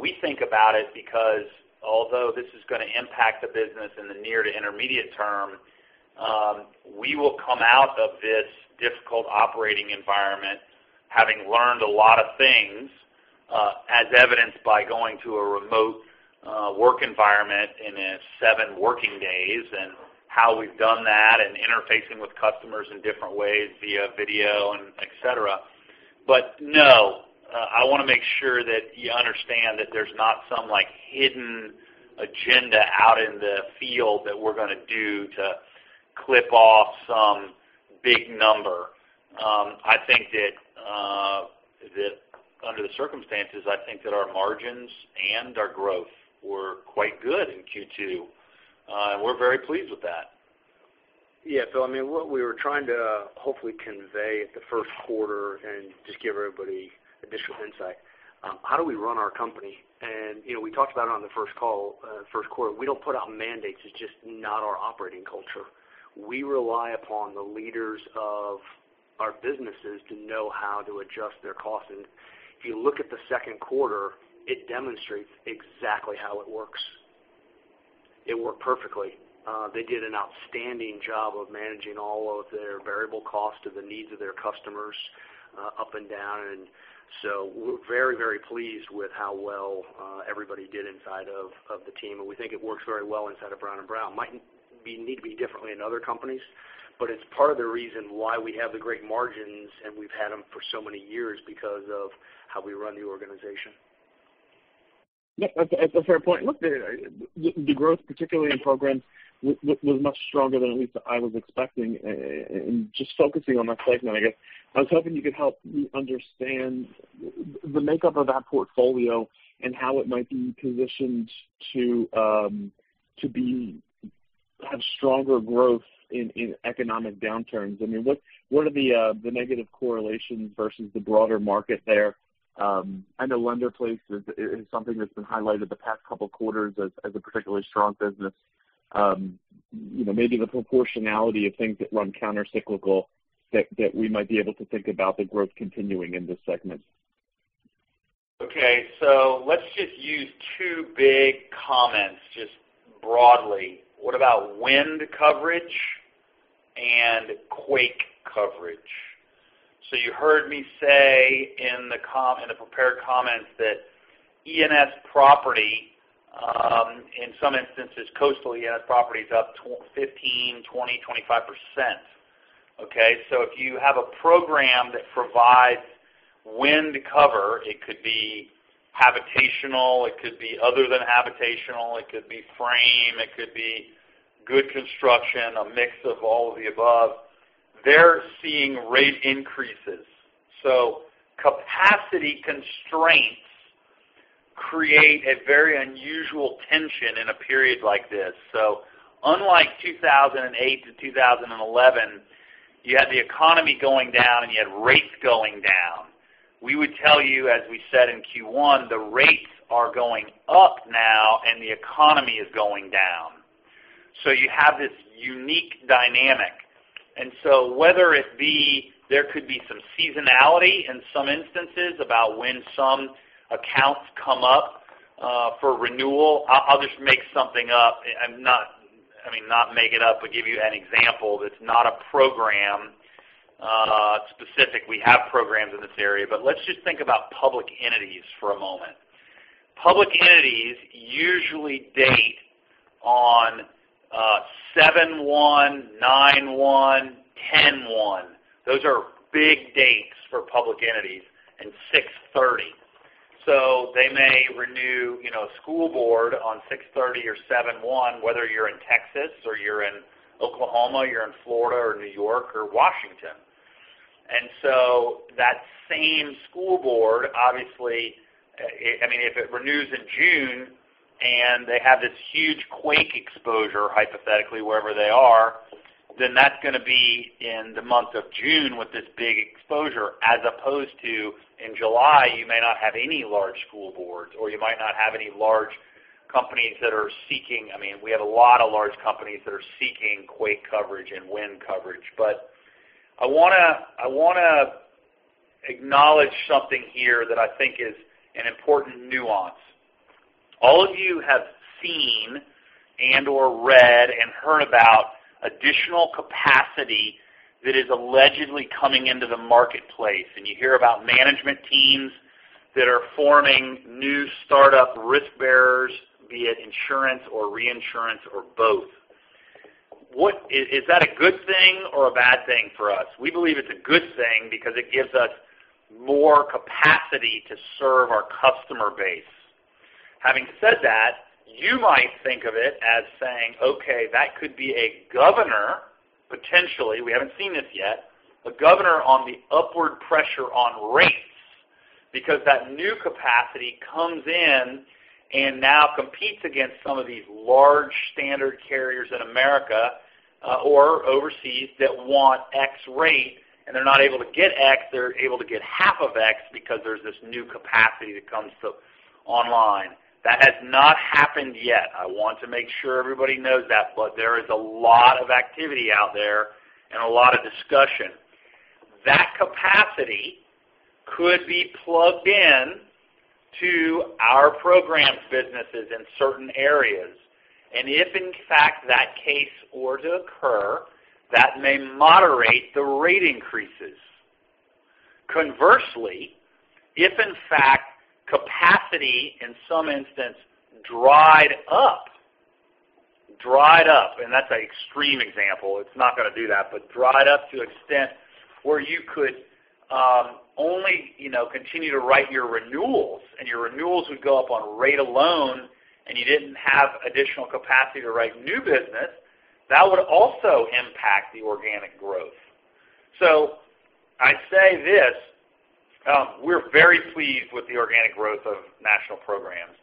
Speaker 2: We think about it because although this is going to impact the business in the near to intermediate term, we will come out of this difficult operating environment having learned a lot of things, as evidenced by going to a remote work environment in seven working days and how we've done that and interfacing with customers in different ways via video and et cetera. No, I want to make sure that you understand that there's not some hidden agenda out in the field that we're going to do to clip off some big number. I think that under the circumstances, I think that our margins and our growth were quite good in Q2, and we're very pleased with that.
Speaker 3: I mean, what we were trying to hopefully convey at the first quarter and just give everybody additional insight, how do we run our company? We talked about it on the first call, first quarter. We don't put out mandates. It's just not our operating culture. We rely upon the leaders of our businesses to know how to adjust their costs. If you look at the second quarter, it demonstrates exactly how it works. It worked perfectly. They did an outstanding job of managing all of their variable costs to the needs of their customers, up and down. We're very, very pleased with how well everybody did inside of the team, and we think it works very well inside of Brown & Brown. Might need to be differently in other companies, but it's part of the reason why we have the great margins, and we've had them for so many years because of how we run the organization.
Speaker 6: Yeah, that's a fair point. Look, the growth, particularly in programs, was much stronger than at least I was expecting. Just focusing on that segment, I guess, I was hoping you could help me understand the makeup of that portfolio and how it might be positioned to have stronger growth in economic downturns. I mean, what are the negative correlations versus the broader market there? I know Lender-Placed is something that's been highlighted the past couple of quarters as a particularly strong business. Maybe the proportionality of things that run counter-cyclical that we might be able to think about the growth continuing in this segment.
Speaker 2: Okay, let's just use two big comments, just broadly. What about wind coverage and quake coverage? You heard me say in the prepared comments that E&S property, in some instances, coastal E&S property is up 15%, 20%, 25%. Okay? If you have a program that provides wind cover, it could be habitational, it could be other than habitational, it could be frame, it could be good construction, a mix of all of the above. They're seeing rate increases. Capacity constraints create a very unusual tension in a period like this. Unlike 2008 to 2011, you had the economy going down and you had rates going down. We would tell you, as we said in Q1, the rates are going up now and the economy is going down. You have this unique dynamic. Whether it be, there could be some seasonality in some instances about when some accounts come up for renewal. I'll just make something up. I mean, not make it up, but give you an example that's not a program specific. We have programs in this area. Let's just think about public entities for a moment. Public entities usually date on 7/1, 9/1, 10/1. Those are big dates for public entities, and 6/30. They may renew a school board on 6/30 or 7/1, whether you're in Texas or you're in Oklahoma, you're in Florida or New York or Washington. That same school board, obviously, if it renews in June and they have this huge quake exposure, hypothetically, wherever they are, that's going to be in the month of June with this big exposure, as opposed to in July, you may not have any large school boards, or you might not have any large companies that are seeking. I mean, we have a lot of large companies that are seeking quake coverage and wind coverage. I want to acknowledge something here that I think is an important nuance. All of you have seen and/or read and heard about additional capacity that is allegedly coming into the marketplace, and you hear about management teams that are forming new startup risk bearers, be it insurance or reinsurance or both. Is that a good thing or a bad thing for us? We believe it's a good thing because it gives us more capacity to serve our customer base. Having said that, you might think of it as saying, okay, that could be a governor, potentially, we haven't seen this yet, a governor on the upward pressure on rates, because that new capacity comes in and now competes against some of these large standard carriers in America or overseas that want x rate, and they're not able to get x, they're able to get half of x because there's this new capacity that comes online. That has not happened yet. I want to make sure everybody knows that. There is a lot of activity out there and a lot of discussion. That capacity could be plugged in to our programs businesses in certain areas. If, in fact, that case were to occur, that may moderate the rate increases. Conversely, if, in fact, capacity, in some instance, dried up. That's an extreme example, it's not going to do that, but dried up to extent where you could only continue to write your renewals, and your renewals would go up on rate alone, and you didn't have additional capacity to write new business, that would also impact the organic growth. I say this, we're very pleased with the organic growth of National Programs.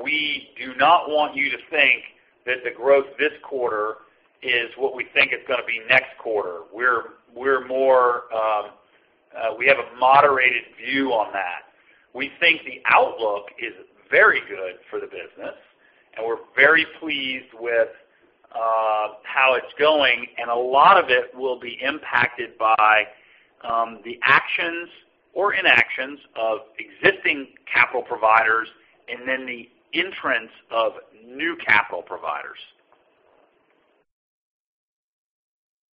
Speaker 2: We do not want you to think that the growth this quarter is what we think is going to be next quarter. We have a moderated view on that. We think the outlook is very good for the business, and we're very pleased with how it's going, and a lot of it will be impacted by the actions or inactions of existing capital providers and then the entrance of new capital providers.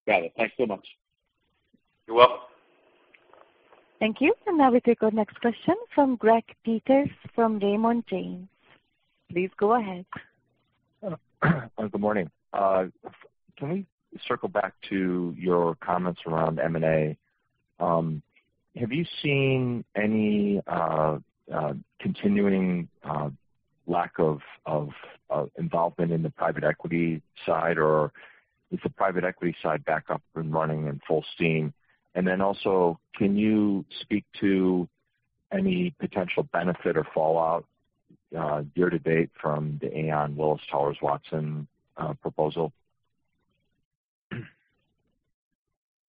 Speaker 6: Got it. Thanks so much.
Speaker 2: You're welcome.
Speaker 1: Thank you. Now we take our next question from Greg Peters from Raymond James. Please go ahead.
Speaker 7: Good morning. Can we circle back to your comments around M&A? Have you seen any continuing lack of involvement in the private equity side, or is the private equity side back up and running in full steam? Also, can you speak to any potential benefit or fallout year to date from the Aon, Willis Towers Watson proposal?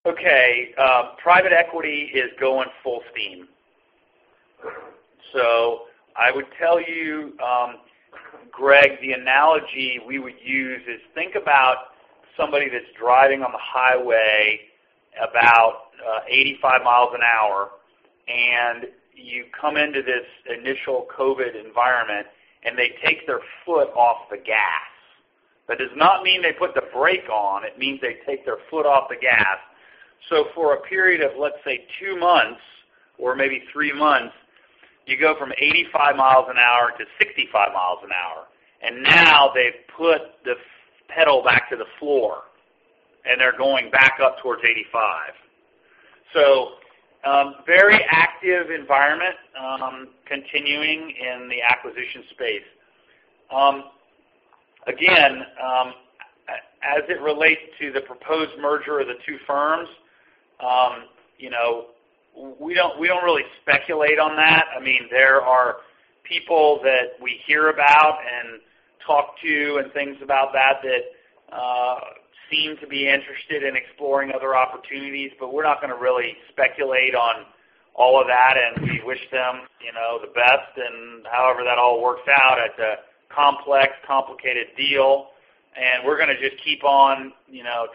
Speaker 2: Okay. Private equity is going full steam. I would tell you, Greg, the analogy we would use is think about somebody that's driving on the highway about 85 mi an hour, and you come into this initial COVID environment, and they take their foot off the gas. That does not mean they put the brake on. It means they take their foot off the gas. For a period of, let's say, two months or maybe three months, you go from 85 mi an hour to 65 mi an hour. Now they've put the pedal back to the floor, and they're going back up towards 85. Very active environment continuing in the acquisition space. Again, as it relates to the proposed merger of the two firms, we don't really speculate on that. There are people that we hear about and talk to and things about that seem to be interested in exploring other opportunities, but we're not going to really speculate on all of that, and we wish them the best and however that all works out. It's a complex, complicated deal, and we're going to just keep on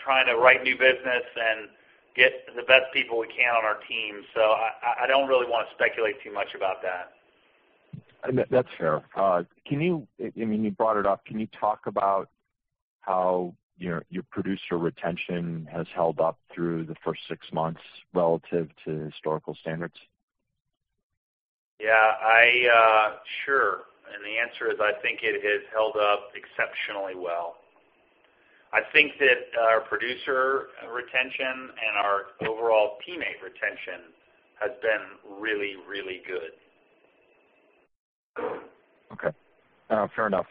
Speaker 2: trying to write new business and get the best people we can on our team. I don't really want to speculate too much about that.
Speaker 7: That's fair. You brought it up. Can you talk about how your producer retention has held up through the first six months relative to historical standards?
Speaker 2: Yeah. Sure. The answer is, I think it has held up exceptionally well. I think that our producer retention and our overall teammate retention has been really good.
Speaker 7: Okay. Fair enough.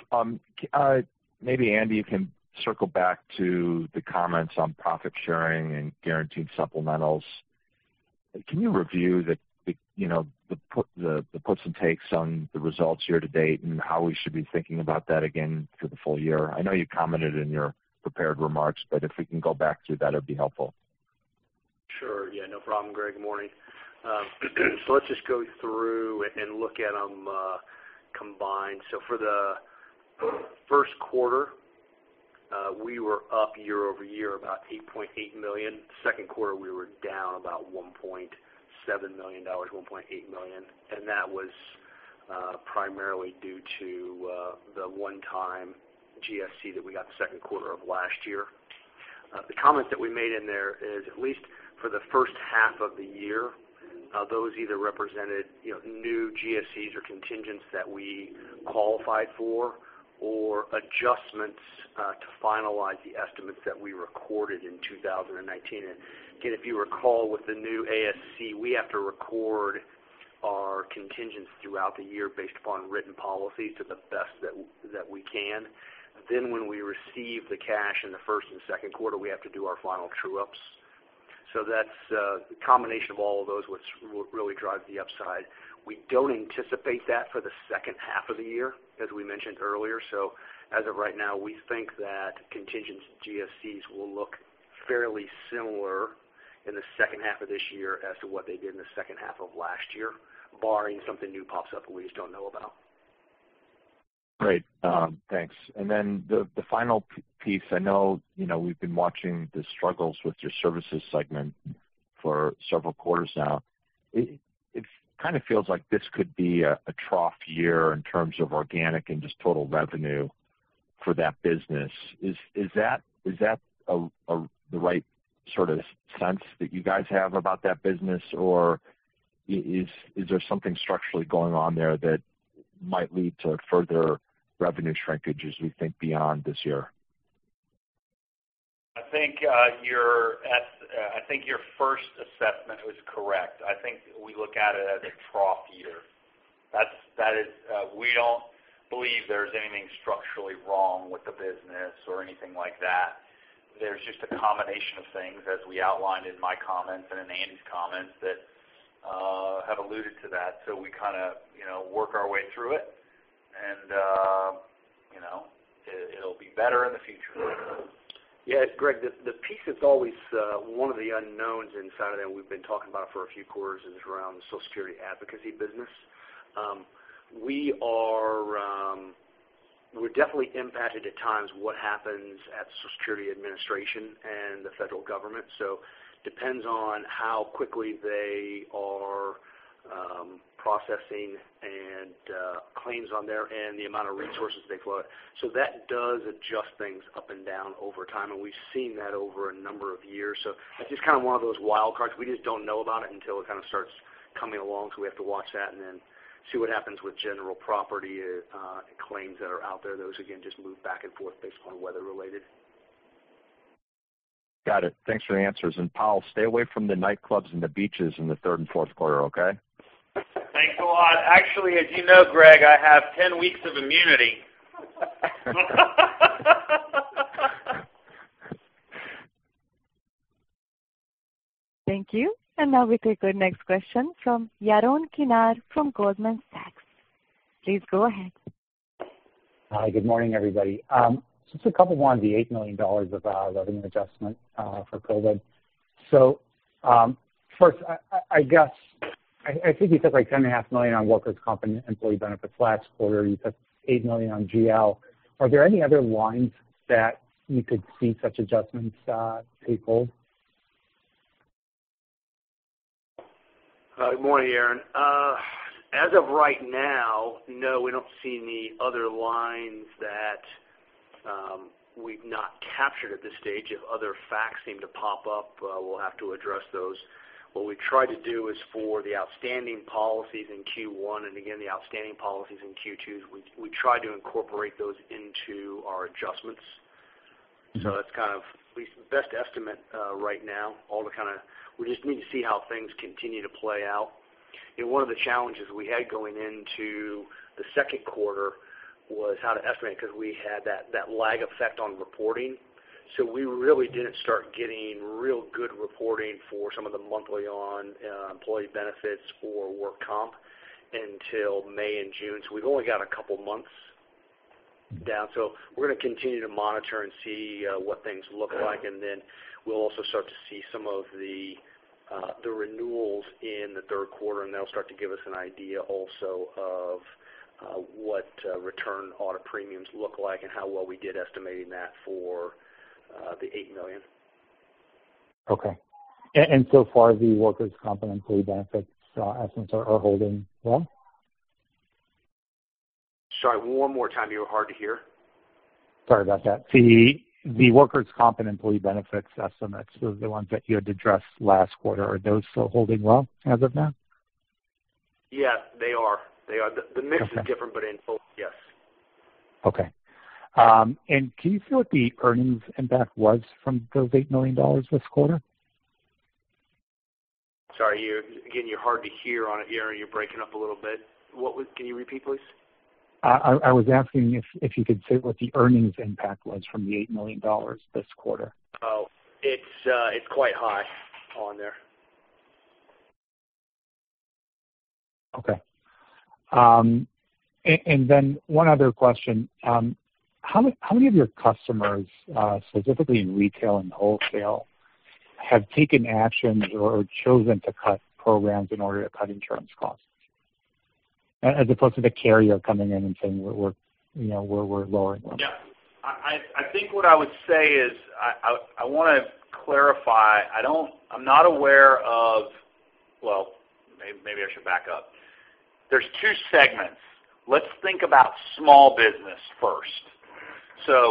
Speaker 7: Maybe Andy, you can circle back to the comments on profit sharing and Guaranteed Supplementals. Can you review the puts and takes on the results year to date and how we should be thinking about that again for the full year? I know you commented in your prepared remarks, but if we can go back to that, it'd be helpful.
Speaker 3: Sure. Yeah, no problem, Greg. Morning. Let's just go through and look at them combined. For the first quarter, we were up year-over-year about $8.8 million. Second quarter, we were down about $1.7 million, $1.8 million, and that was primarily due to the one-time GSC that we got the second quarter of last year. The comment that we made in there is, at least for the first half of the year, those either represented new GSCs or contingents that we qualified for or adjustments to finalize the estimates that we recorded in 2019. Again, if you recall, with the new ASC, we have to record our contingents throughout the year based upon written policy to the best that we can. When we receive the cash in the first and second quarter, we have to do our final true-ups. That's the combination of all of those, what really drive the upside. We don't anticipate that for the second half of the year, as we mentioned earlier. As of right now, we think that contingents GSCs will look fairly similar in the second half of this year as to what they did in the second half of last year, barring something new pops up that we just don't know about.
Speaker 7: Great. Thanks. Then the final piece, I know we've been watching the struggles with your services segment for several quarters now. It kind of feels like this could be a trough year in terms of organic and just total revenue for that business. Is that the right sort of sense that you guys have about that business? Or is there something structurally going on there that might lead to further revenue shrinkage as we think beyond this year?
Speaker 2: I think your first assessment was correct. I think we look at it as a trough year. We don't believe there's anything structurally wrong with the business or anything like that. There's just a combination of things, as we outlined in my comments and in Andy's comments, that have alluded to that. We kind of work our way through it, and it'll be better in the future.
Speaker 3: Greg, the piece that's always one of the unknowns inside of that we've been talking about for a few quarters is around the Social Security advocacy business. We're definitely impacted at times what happens at the Social Security Administration and the federal government. Depends on how quickly they are processing and claims on there and the amount of resources they float. That does adjust things up and down over time, and we've seen that over a number of years. That's just kind of one of those wild cards. We just don't know about it until it kind of starts coming along. We have to watch that and then see what happens with general property claims that are out there. Those again, just move back and forth based on weather related.
Speaker 7: Got it. Thanks for the answers. Powell, stay away from the nightclubs and the beaches in the third and fourth quarter, okay?
Speaker 2: Thanks a lot. Actually, as you know, Greg, I have 10 weeks of immunity.
Speaker 1: Thank you. Now we take the next question from Yaron Kinar from Goldman Sachs. Please go ahead.
Speaker 8: Hi, good morning, everybody. Just a couple on the $8 million of revenue adjustment for COVID. First, I think you took like $10.5 million on workers' comp and employee benefits last quarter. You took $8 million on GL. Are there any other lines that you could see such adjustments take hold?
Speaker 3: Good morning, Yaron. As of right now, no, we don't see any other lines that we've not captured at this stage. If other facts seem to pop up, we'll have to address those. What we try to do is for the outstanding policies in Q1, and again, the outstanding policies in Q2, we try to incorporate those into our adjustments. That's kind of the best estimate right now. We just need to see how things continue to play out. One of the challenges we had going into the second quarter was how to estimate, because we had that lag effect on reporting. We really didn't start getting real good reporting for some of the monthly on employee benefits for work comp until May and June. We've only got a couple of months down. We're going to continue to monitor and see what things look like, and then we'll also start to see some of the renewals in the third quarter, and that'll start to give us an idea also of what return audit premiums look like and how well we did estimating that for the $8 million.
Speaker 8: Okay. So far, the workers' comp and employee benefits estimates are holding well?
Speaker 3: Sorry, one more time. You were hard to hear.
Speaker 8: Sorry about that. The workers' comp and employee benefits estimates were the ones that you had to address last quarter. Are those still holding well as of now?
Speaker 3: Yes, they are. The mix is different, but in full, yes.
Speaker 8: Okay. Can you say what the earnings impact was from those $8 million this quarter?
Speaker 3: Sorry. Again, you're hard to hear on it, Yaron. You're breaking up a little bit. Can you repeat, please?
Speaker 8: I was asking if you could say what the earnings impact was from the $8 million this quarter.
Speaker 3: Oh, it's quite high on there.
Speaker 8: Okay. One other question. How many of your customers, specifically in retail and wholesale, have taken actions or chosen to cut programs in order to cut insurance costs, as opposed to the carrier coming in and saying, "We're lowering them"?
Speaker 2: Yeah. I think what I would say is I want to clarify. There's two segments. Let's think about small business first.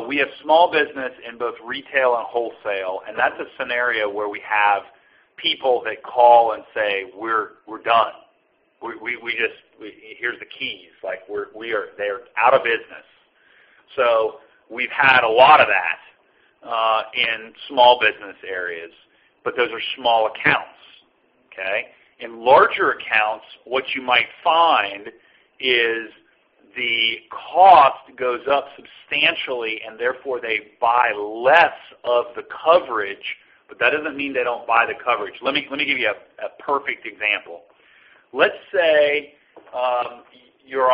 Speaker 2: We have small business in both retail and wholesale, and that's a scenario where we have people that call and say, "We're done. Here's the keys." They're out of business. We've had a lot of that in small business areas, but those are small accounts. Okay. In larger accounts, what you might find is the cost goes up substantially, and therefore, they buy less of the coverage. That doesn't mean they don't buy the coverage. Let me give you a perfect example. Let's say your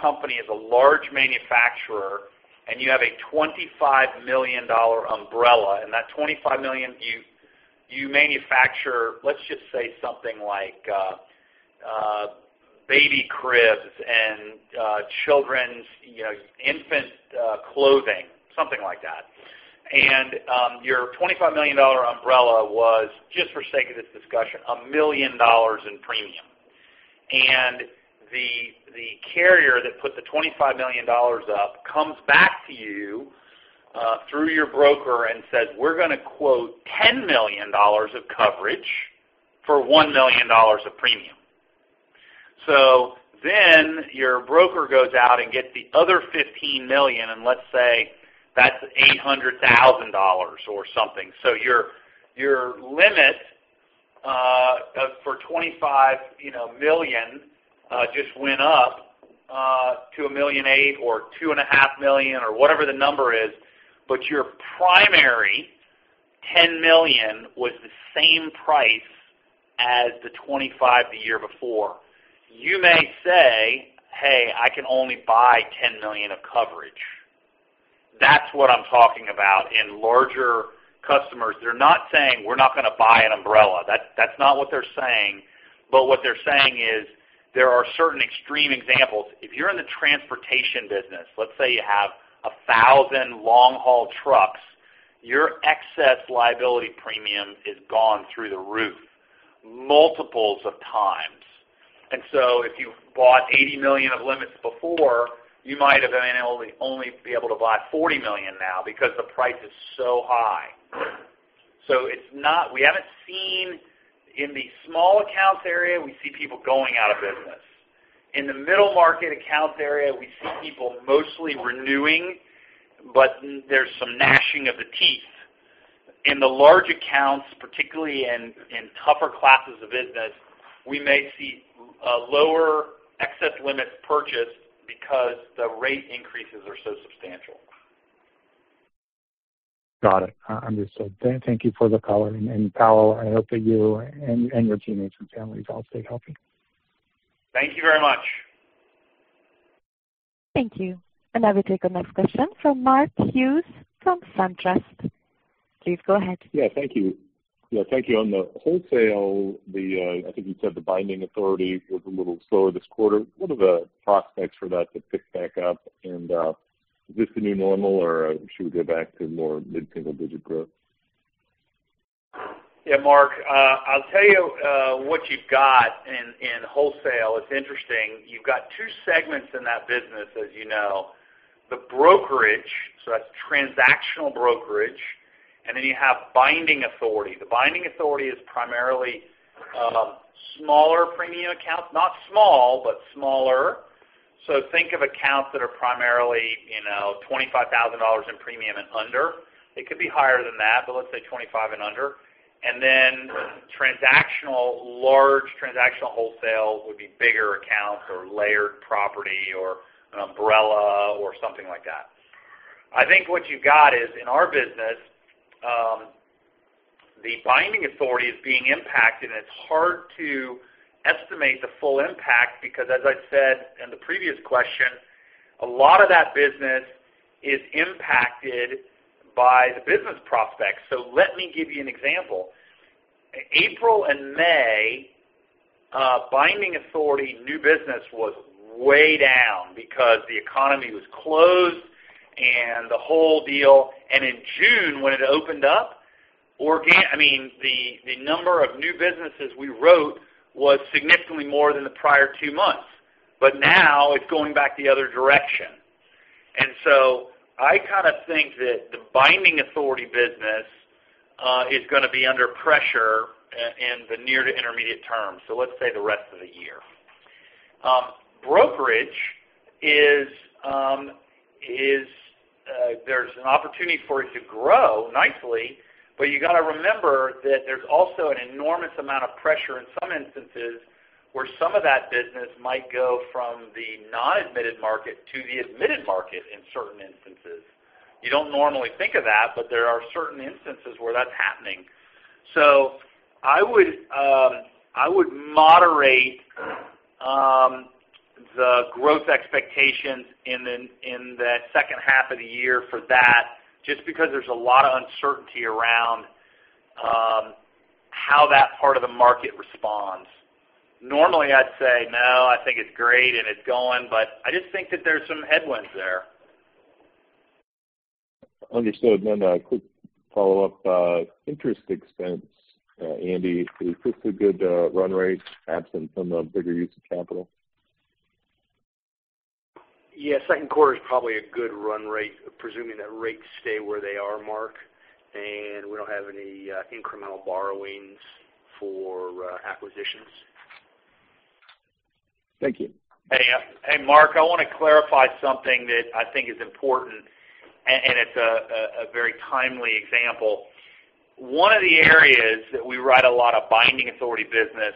Speaker 2: company is a large manufacturer, and you have a $25 million umbrella. That $25 million, you manufacture, let's just say something like baby cribs and children's infant clothing, something like that. Your $25 million umbrella was, just for sake of this discussion, a million dollars in premium. The carrier that put the $25 million up comes back to you through your broker and says, "We're going to quote $10 million of coverage for $1 million of premium." Your broker goes out and gets the other $15 million, and let's say that's $800,000 or something. Your limit for $25 million just went up to $1.8 million or $2.5 million or whatever the number is. Your primary $10 million was the same price as the $25 the year before. You may say, "Hey, I can only buy $10 million of coverage." That's what I'm talking about in larger customers. They're not saying, "We're not going to buy an umbrella." That's not what they're saying. What they're saying is there are certain extreme examples. If you're in the transportation business, let's say you have 1,000 long-haul trucks, your excess liability premium is gone through the roof multiples of times. If you bought $80 million of limits before, you might have been only be able to buy $40 million now because the price is so high. We haven't seen in the small accounts area, we see people going out of business. In the middle market accounts area, we see people mostly renewing, but there's some gnashing of the teeth. In the large accounts, particularly in tougher classes of business, we may see a lower excess limits purchase because the rate increases are so substantial.
Speaker 8: Got it. Understood. Thank you for the color. Powell, I hope that you and your teammates and families all stay healthy.
Speaker 2: Thank you very much.
Speaker 1: Thank you. I will take the next question from Mark Hughes from SunTrust. Please go ahead.
Speaker 9: Yeah, thank you. Yeah, thank you. On the wholesale, I think you said the binding authority was a little slower this quarter. What are the prospects for that to pick back up? Is this the new normal, or should we go back to more mid-single-digit growth?
Speaker 2: Yeah, Mark, I'll tell you what you've got in wholesale. It's interesting. You've got two segments in that business, as you know. The brokerage, that's transactional brokerage, then you have binding authority. The binding authority is primarily smaller premium accounts, not small, but smaller. Think of accounts that are primarily $25,000 in premium and under. It could be higher than that, let's say $25 and under. Then transactional, large transactional wholesale would be bigger accounts or layered property or an umbrella or something like that. I think what you've got is in our business, the binding authority is being impacted, it's hard to estimate the full impact because, as I said in the previous question, a lot of that business is impacted by the business prospects. Let me give you an example. April and May, binding authority new business was way down because the economy was closed and the whole deal. In June, when it opened up, the number of new businesses we wrote was significantly more than the prior two months. Now it's going back the other direction. I kind of think that the binding authority business is going to be under pressure in the near to intermediate term. Let's say the rest of the year. Brokerage, there's an opportunity for it to grow nicely, but you got to remember that there's also an enormous amount of pressure in some instances where some of that business might go from the non-admitted market to the admitted market in certain instances. You don't normally think of that, but there are certain instances where that's happening. I would moderate the growth expectations in the second half of the year for that, just because there's a lot of uncertainty around how that part of the market responds. Normally, I'd say, no, I think it's great and it's going, but I just think that there's some headwinds there.
Speaker 9: Understood. A quick follow-up. Interest expense, Andy, is this a good run rate absent some bigger use of capital?
Speaker 3: Second quarter is probably a good run rate, presuming that rates stay where they are, Mark, and we don't have any incremental borrowings for acquisitions.
Speaker 9: Thank you.
Speaker 2: Hey, Mark, I want to clarify something that I think is important, and it's a very timely example. One of the areas that we write a lot of binding authority business,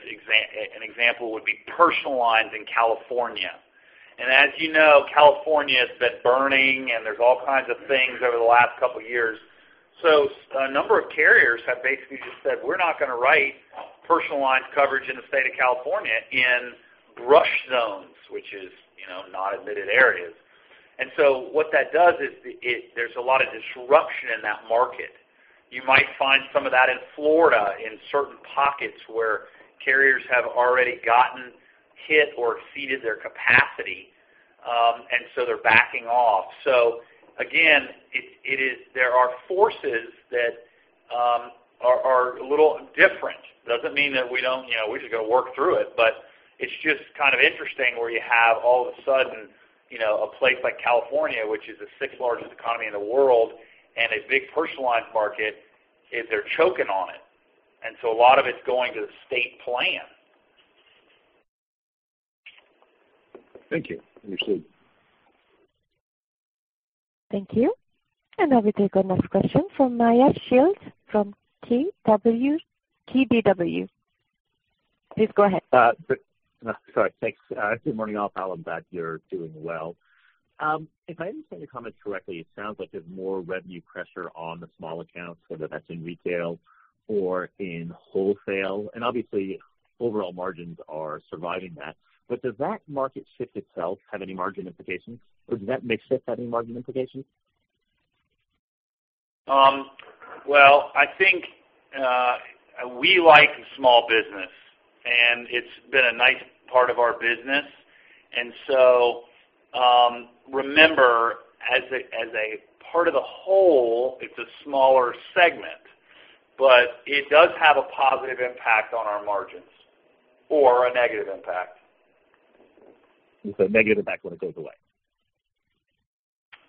Speaker 2: an example would be personal lines in California. As you know, California has been burning, and there's all kinds of things over the last couple of years. A number of carriers have basically just said, "We're not going to write personal lines coverage in the state of California in brush zones," which is not admitted areas. What that does is there's a lot of disruption in that market. You might find some of that in Florida in certain pockets where carriers have already gotten hit or exceeded their capacity, and so they're backing off. Again, there are forces that are a little different. We're just going to work through it, but it's just kind of interesting where you have all of a sudden, a place like California, which is the sixth largest economy in the world and a big personalized market, is they're choking on it. A lot of it's going to the state plan.
Speaker 9: Thank you. Understood.
Speaker 1: Thank you. Now we take our next question from Meyer Shields from KBW. Please go ahead.
Speaker 10: Sorry, thanks. Good morning, all. I'm glad you're doing well. If I understand your comments correctly, it sounds like there's more revenue pressure on the small accounts, whether that's in retail or in wholesale. Obviously, overall margins are surviving that. Does that market shift itself have any margin implications, or does that mix shift have any margin implications?
Speaker 2: I think we like small business, and it's been a nice part of our business. Remember, as a part of the whole, it's a smaller segment, but it does have a positive impact on our margins or a negative impact.
Speaker 10: It's a negative impact when it goes away.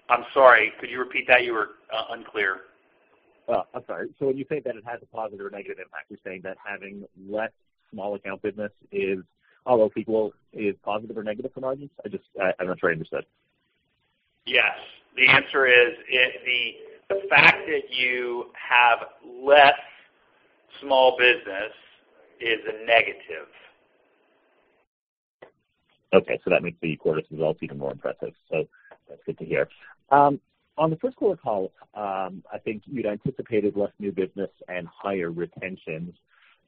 Speaker 2: I'm sorry. Could you repeat that? You were unclear.
Speaker 10: Oh, I'm sorry. When you say that it has a positive or negative impact, you're saying that having less small account business is, all else equal, is positive or negative for margins? I'm not sure I understood.
Speaker 2: Yes. The answer is, the fact that you have less small business is a negative.
Speaker 10: That makes the quarter's results even more impressive. That's good to hear. On the first quarter call, I think you'd anticipated less new business and higher retention.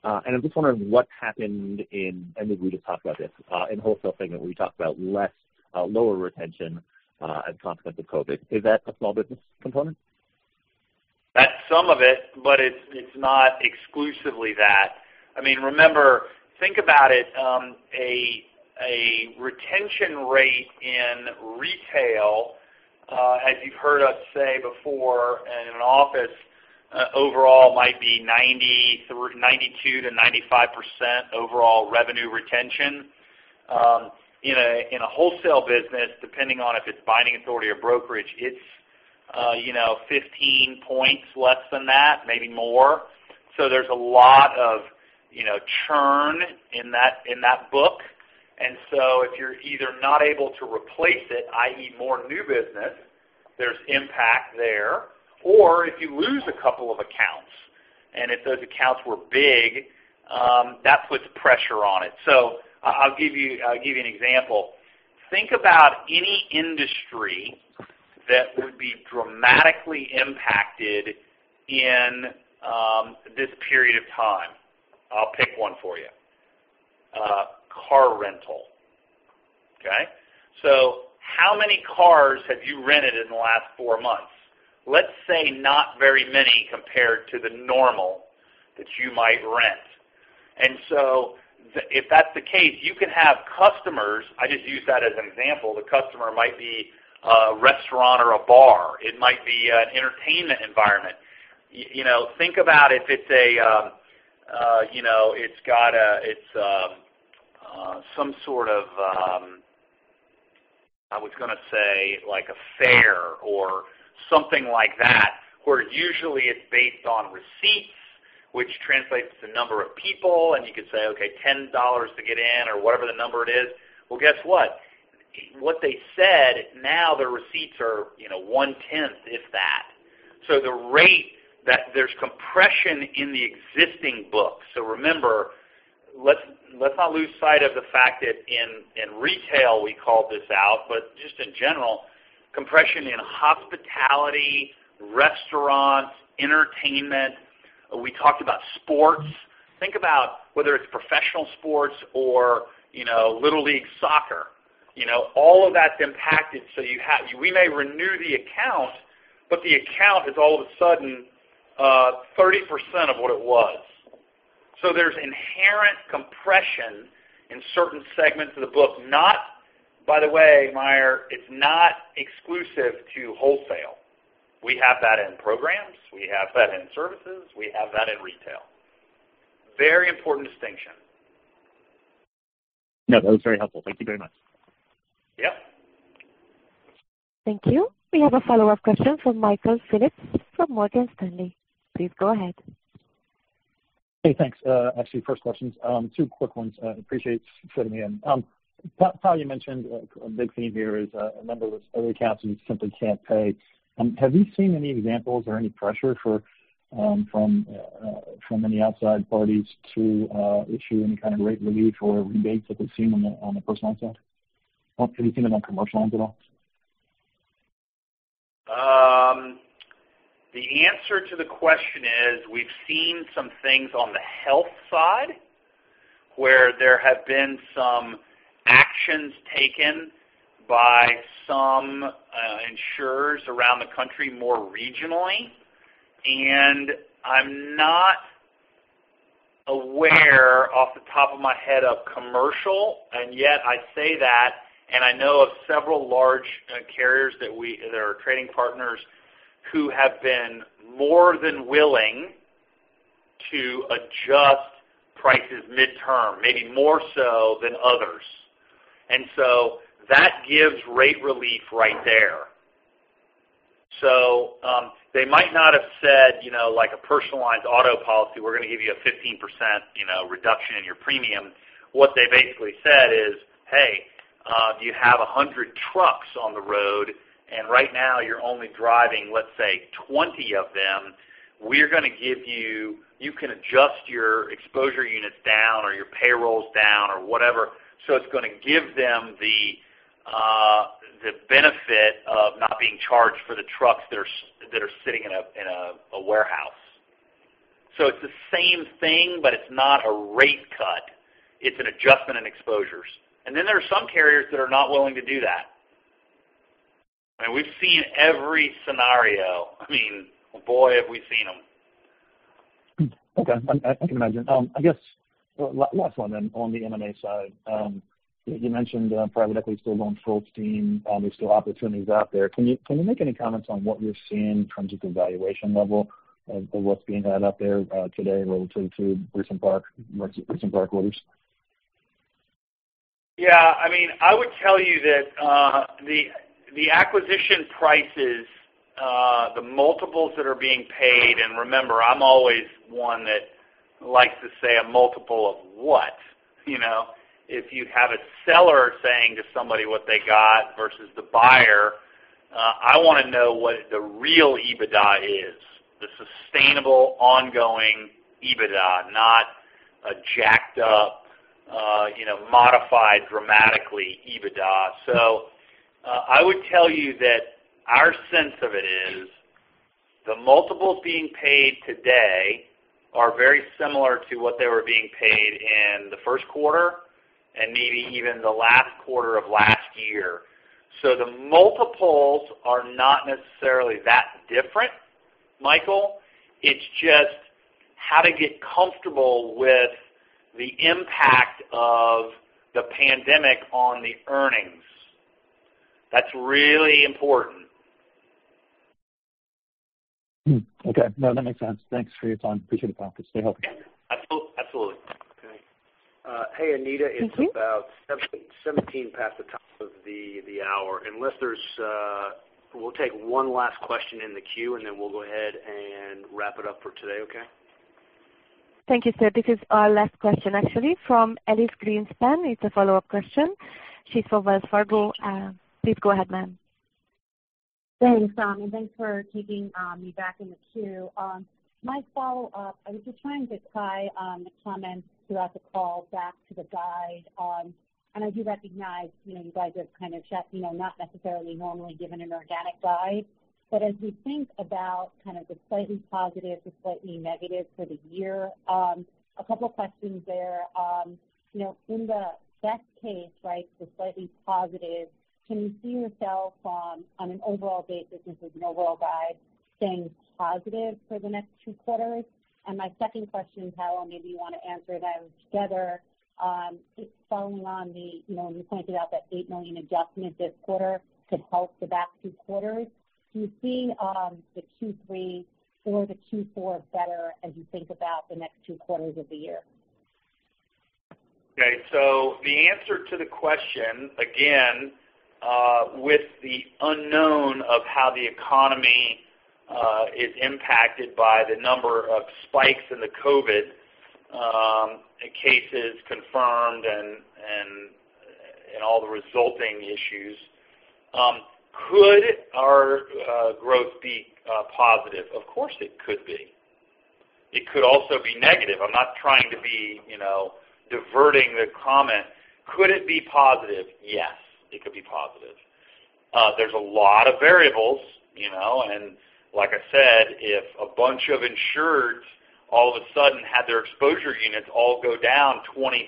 Speaker 10: I'm just wondering what happened in, and maybe we just talked about this, in wholesale segment, we talked about lower retention as a consequence of COVID. Is that a small business component?
Speaker 2: That's some of it, but it's not exclusively that. Remember, think about it, a retention rate in retail, as you've heard us say before in an office, overall might be 92%-95% overall revenue retention. In a wholesale business, depending on if it's binding authority or brokerage, it's 15 points less than that, maybe more. There's a lot of churn in that book. If you're either not able to replace it, i.e., more new business, there's impact there. If you lose a couple of accounts, and if those accounts were big, that puts pressure on it. I'll give you an example. Think about any industry that would be dramatically impacted in this period of time. I'll pick one for you. Car rental. Okay? How many cars have you rented in the last four months? Let's say not very many compared to the normal that you might rent. If that's the case, you can have customers, I just use that as an example. The customer might be a restaurant or a bar. It might be an entertainment environment. Think about if it's some sort of, I was going to say, like a fair or something like that, where usually it's based on receipts, which translates to number of people, and you could say, okay, $10 to get in or whatever the number it is. Well, guess what? What they said, now the receipts are one-tenth, if that. There's compression in the existing book. Remember, let's not lose sight of the fact that in retail, we called this out, but just in general, compression in hospitality, restaurants, entertainment. We talked about sports. Think about whether it's professional sports or Little League soccer. All of that's impacted. We may renew the account, but the account is all of a sudden 30% of what it was. There's inherent compression in certain segments of the book. By the way, Meyer, it's not exclusive to wholesale. We have that in programs, we have that in services, we have that in retail. Very important distinction.
Speaker 10: No, that was very helpful. Thank you very much.
Speaker 2: Yep.
Speaker 1: Thank you. We have a follow-up question from Michael Phillips from Morgan Stanley. Please go ahead.
Speaker 11: Hey, thanks. Actually, first questions, two quick ones. Appreciate fitting me in. Powell, you mentioned a big theme here is a number of those early caps who simply can't pay. Have you seen any examples or any pressure from any outside parties to issue any kind of rate relief or rebates like we've seen on the personal side? Have you seen it on commercial lines at all?
Speaker 2: The answer to the question is, we've seen some things on the health side where there have been some actions taken by some insurers around the country, more regionally, and I'm not aware, off the top of my head, of commercial. Yet I say that, and I know of several large carriers that are trading partners who have been more than willing to adjust prices midterm, maybe more so than others. That gives rate relief right there. They might not have said, like a personalized auto policy, "We're going to give you a 15% reduction in your premium." What they basically said is, "Hey, you have 100 trucks on the road, and right now you're only driving, let's say, 20 of them. You can adjust your exposure units down or your payrolls down or whatever. It's going to give them the benefit of not being charged for the trucks that are sitting in a warehouse. It's the same thing, but it's not a rate cut. It's an adjustment in exposures. There are some carriers that are not willing to do that. We've seen every scenario. I mean, boy, have we seen them.
Speaker 11: Okay. I can imagine. I guess last one then on the M&A side. You mentioned private equity is still going full steam. There's still opportunities out there. Can you make any comments on what you're seeing in terms of the valuation level of what's being added out there today relative to recent quarters?
Speaker 2: Yeah, I would tell you that the acquisition prices, the multiples that are being paid, and remember, I'm always one that likes to say a multiple of what. If you have a seller saying to somebody what they got versus the buyer, I want to know what the real EBITDA is, the sustainable, ongoing EBITDA, not a jacked up, modified dramatically EBITDA. I would tell you that our sense of it is the multiples being paid today are very similar to what they were being paid in the first quarter and maybe even the last quarter of last year. The multiples are not necessarily that different, Michael. It's just how to get comfortable with the impact of the pandemic on the earnings. That's really important.
Speaker 11: Okay. No, that makes sense. Thanks for your time. Appreciate it. Stay healthy.
Speaker 2: Absolutely.
Speaker 3: Okay. Hey, Anita.
Speaker 1: Thank you.
Speaker 3: It's about 17 past the top of the hour. We'll take one last question in the queue, and then we'll go ahead and wrap it up for today, okay?
Speaker 1: Thank you, sir. This is our last question, actually, from Elyse Greenspan. It's a follow-up question. She's from Wells Fargo. Please go ahead, ma'am.
Speaker 5: Thanks, thanks for taking me back in the queue. My follow-up, I was just trying to tie the comments throughout the call back to the guide. I do recognize you guys are kind of not necessarily normally given an organic guide, but as we think about kind of the slightly positive to slightly negative for the year, a couple of questions there. In the best case, the slightly positive, can you see yourself on an overall basis, as an overall guide, staying positive for the next two quarters? My second question is, Powell, maybe you want to answer it together. Just following on, you pointed out that $8 million adjustment this quarter could help the back two quarters. Do you see the Q3 or the Q4 better as you think about the next two quarters of the year?
Speaker 2: Okay, the answer to the question, again, with the unknown of how the economy is impacted by the number of spikes in the COVID-19 cases confirmed and all the resulting issues, could our growth be positive? Of course, it could be. It could also be negative. I'm not trying to be diverting the comment. Could it be positive? Yes, it could be positive. There's a lot of variables, and like I said, if a bunch of insureds all of a sudden had their exposure units all go down 20%.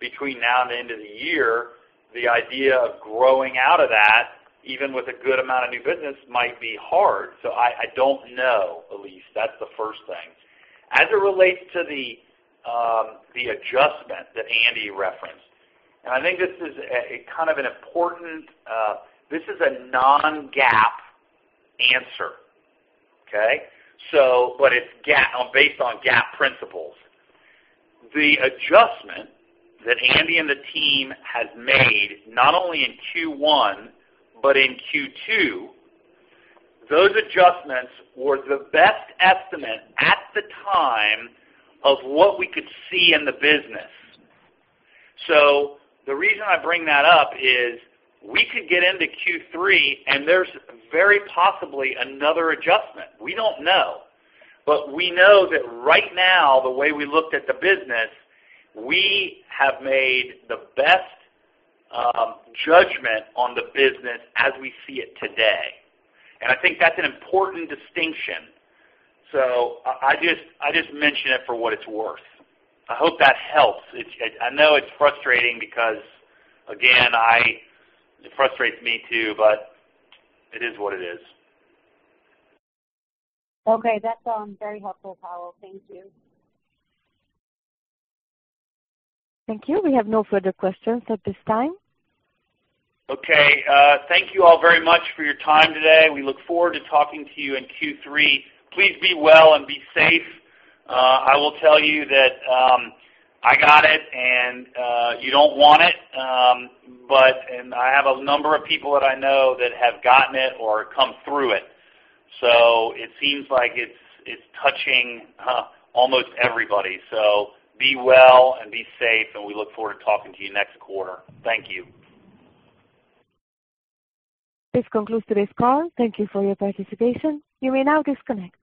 Speaker 2: Between now and the end of the year, the idea of growing out of that, even with a good amount of new business, might be hard. I don't know, Elyse. That's the first thing. As it relates to the adjustment that Andy referenced, and I think this is an important, this is a non-GAAP answer. Okay. It's based on GAAP principles. The adjustment that Andy and the team have made, not only in Q1 but in Q2, those adjustments were the best estimate at the time of what we could see in the business. The reason I bring that up is we could get into Q3, and there's very possibly another adjustment. We don't know. We know that right now, the way we looked at the business, we have made the best judgment on the business as we see it today. I think that's an important distinction. I just mention it for what it's worth. I hope that helps. I know it's frustrating because, again, it frustrates me, too, but it is what it is.
Speaker 5: Okay, that's very helpful, Powell. Thank you.
Speaker 1: Thank you. We have no further questions at this time.
Speaker 2: Okay. Thank you all very much for your time today. We look forward to talking to you in Q3. Please be well and be safe. I will tell you that I got it, and you don't want it. I have a number of people that I know that have gotten it or come through it. It seems like it's touching almost everybody. Be well and be safe, and we look forward to talking to you next quarter. Thank you.
Speaker 1: This concludes today's call. Thank you for your participation. You may now disconnect.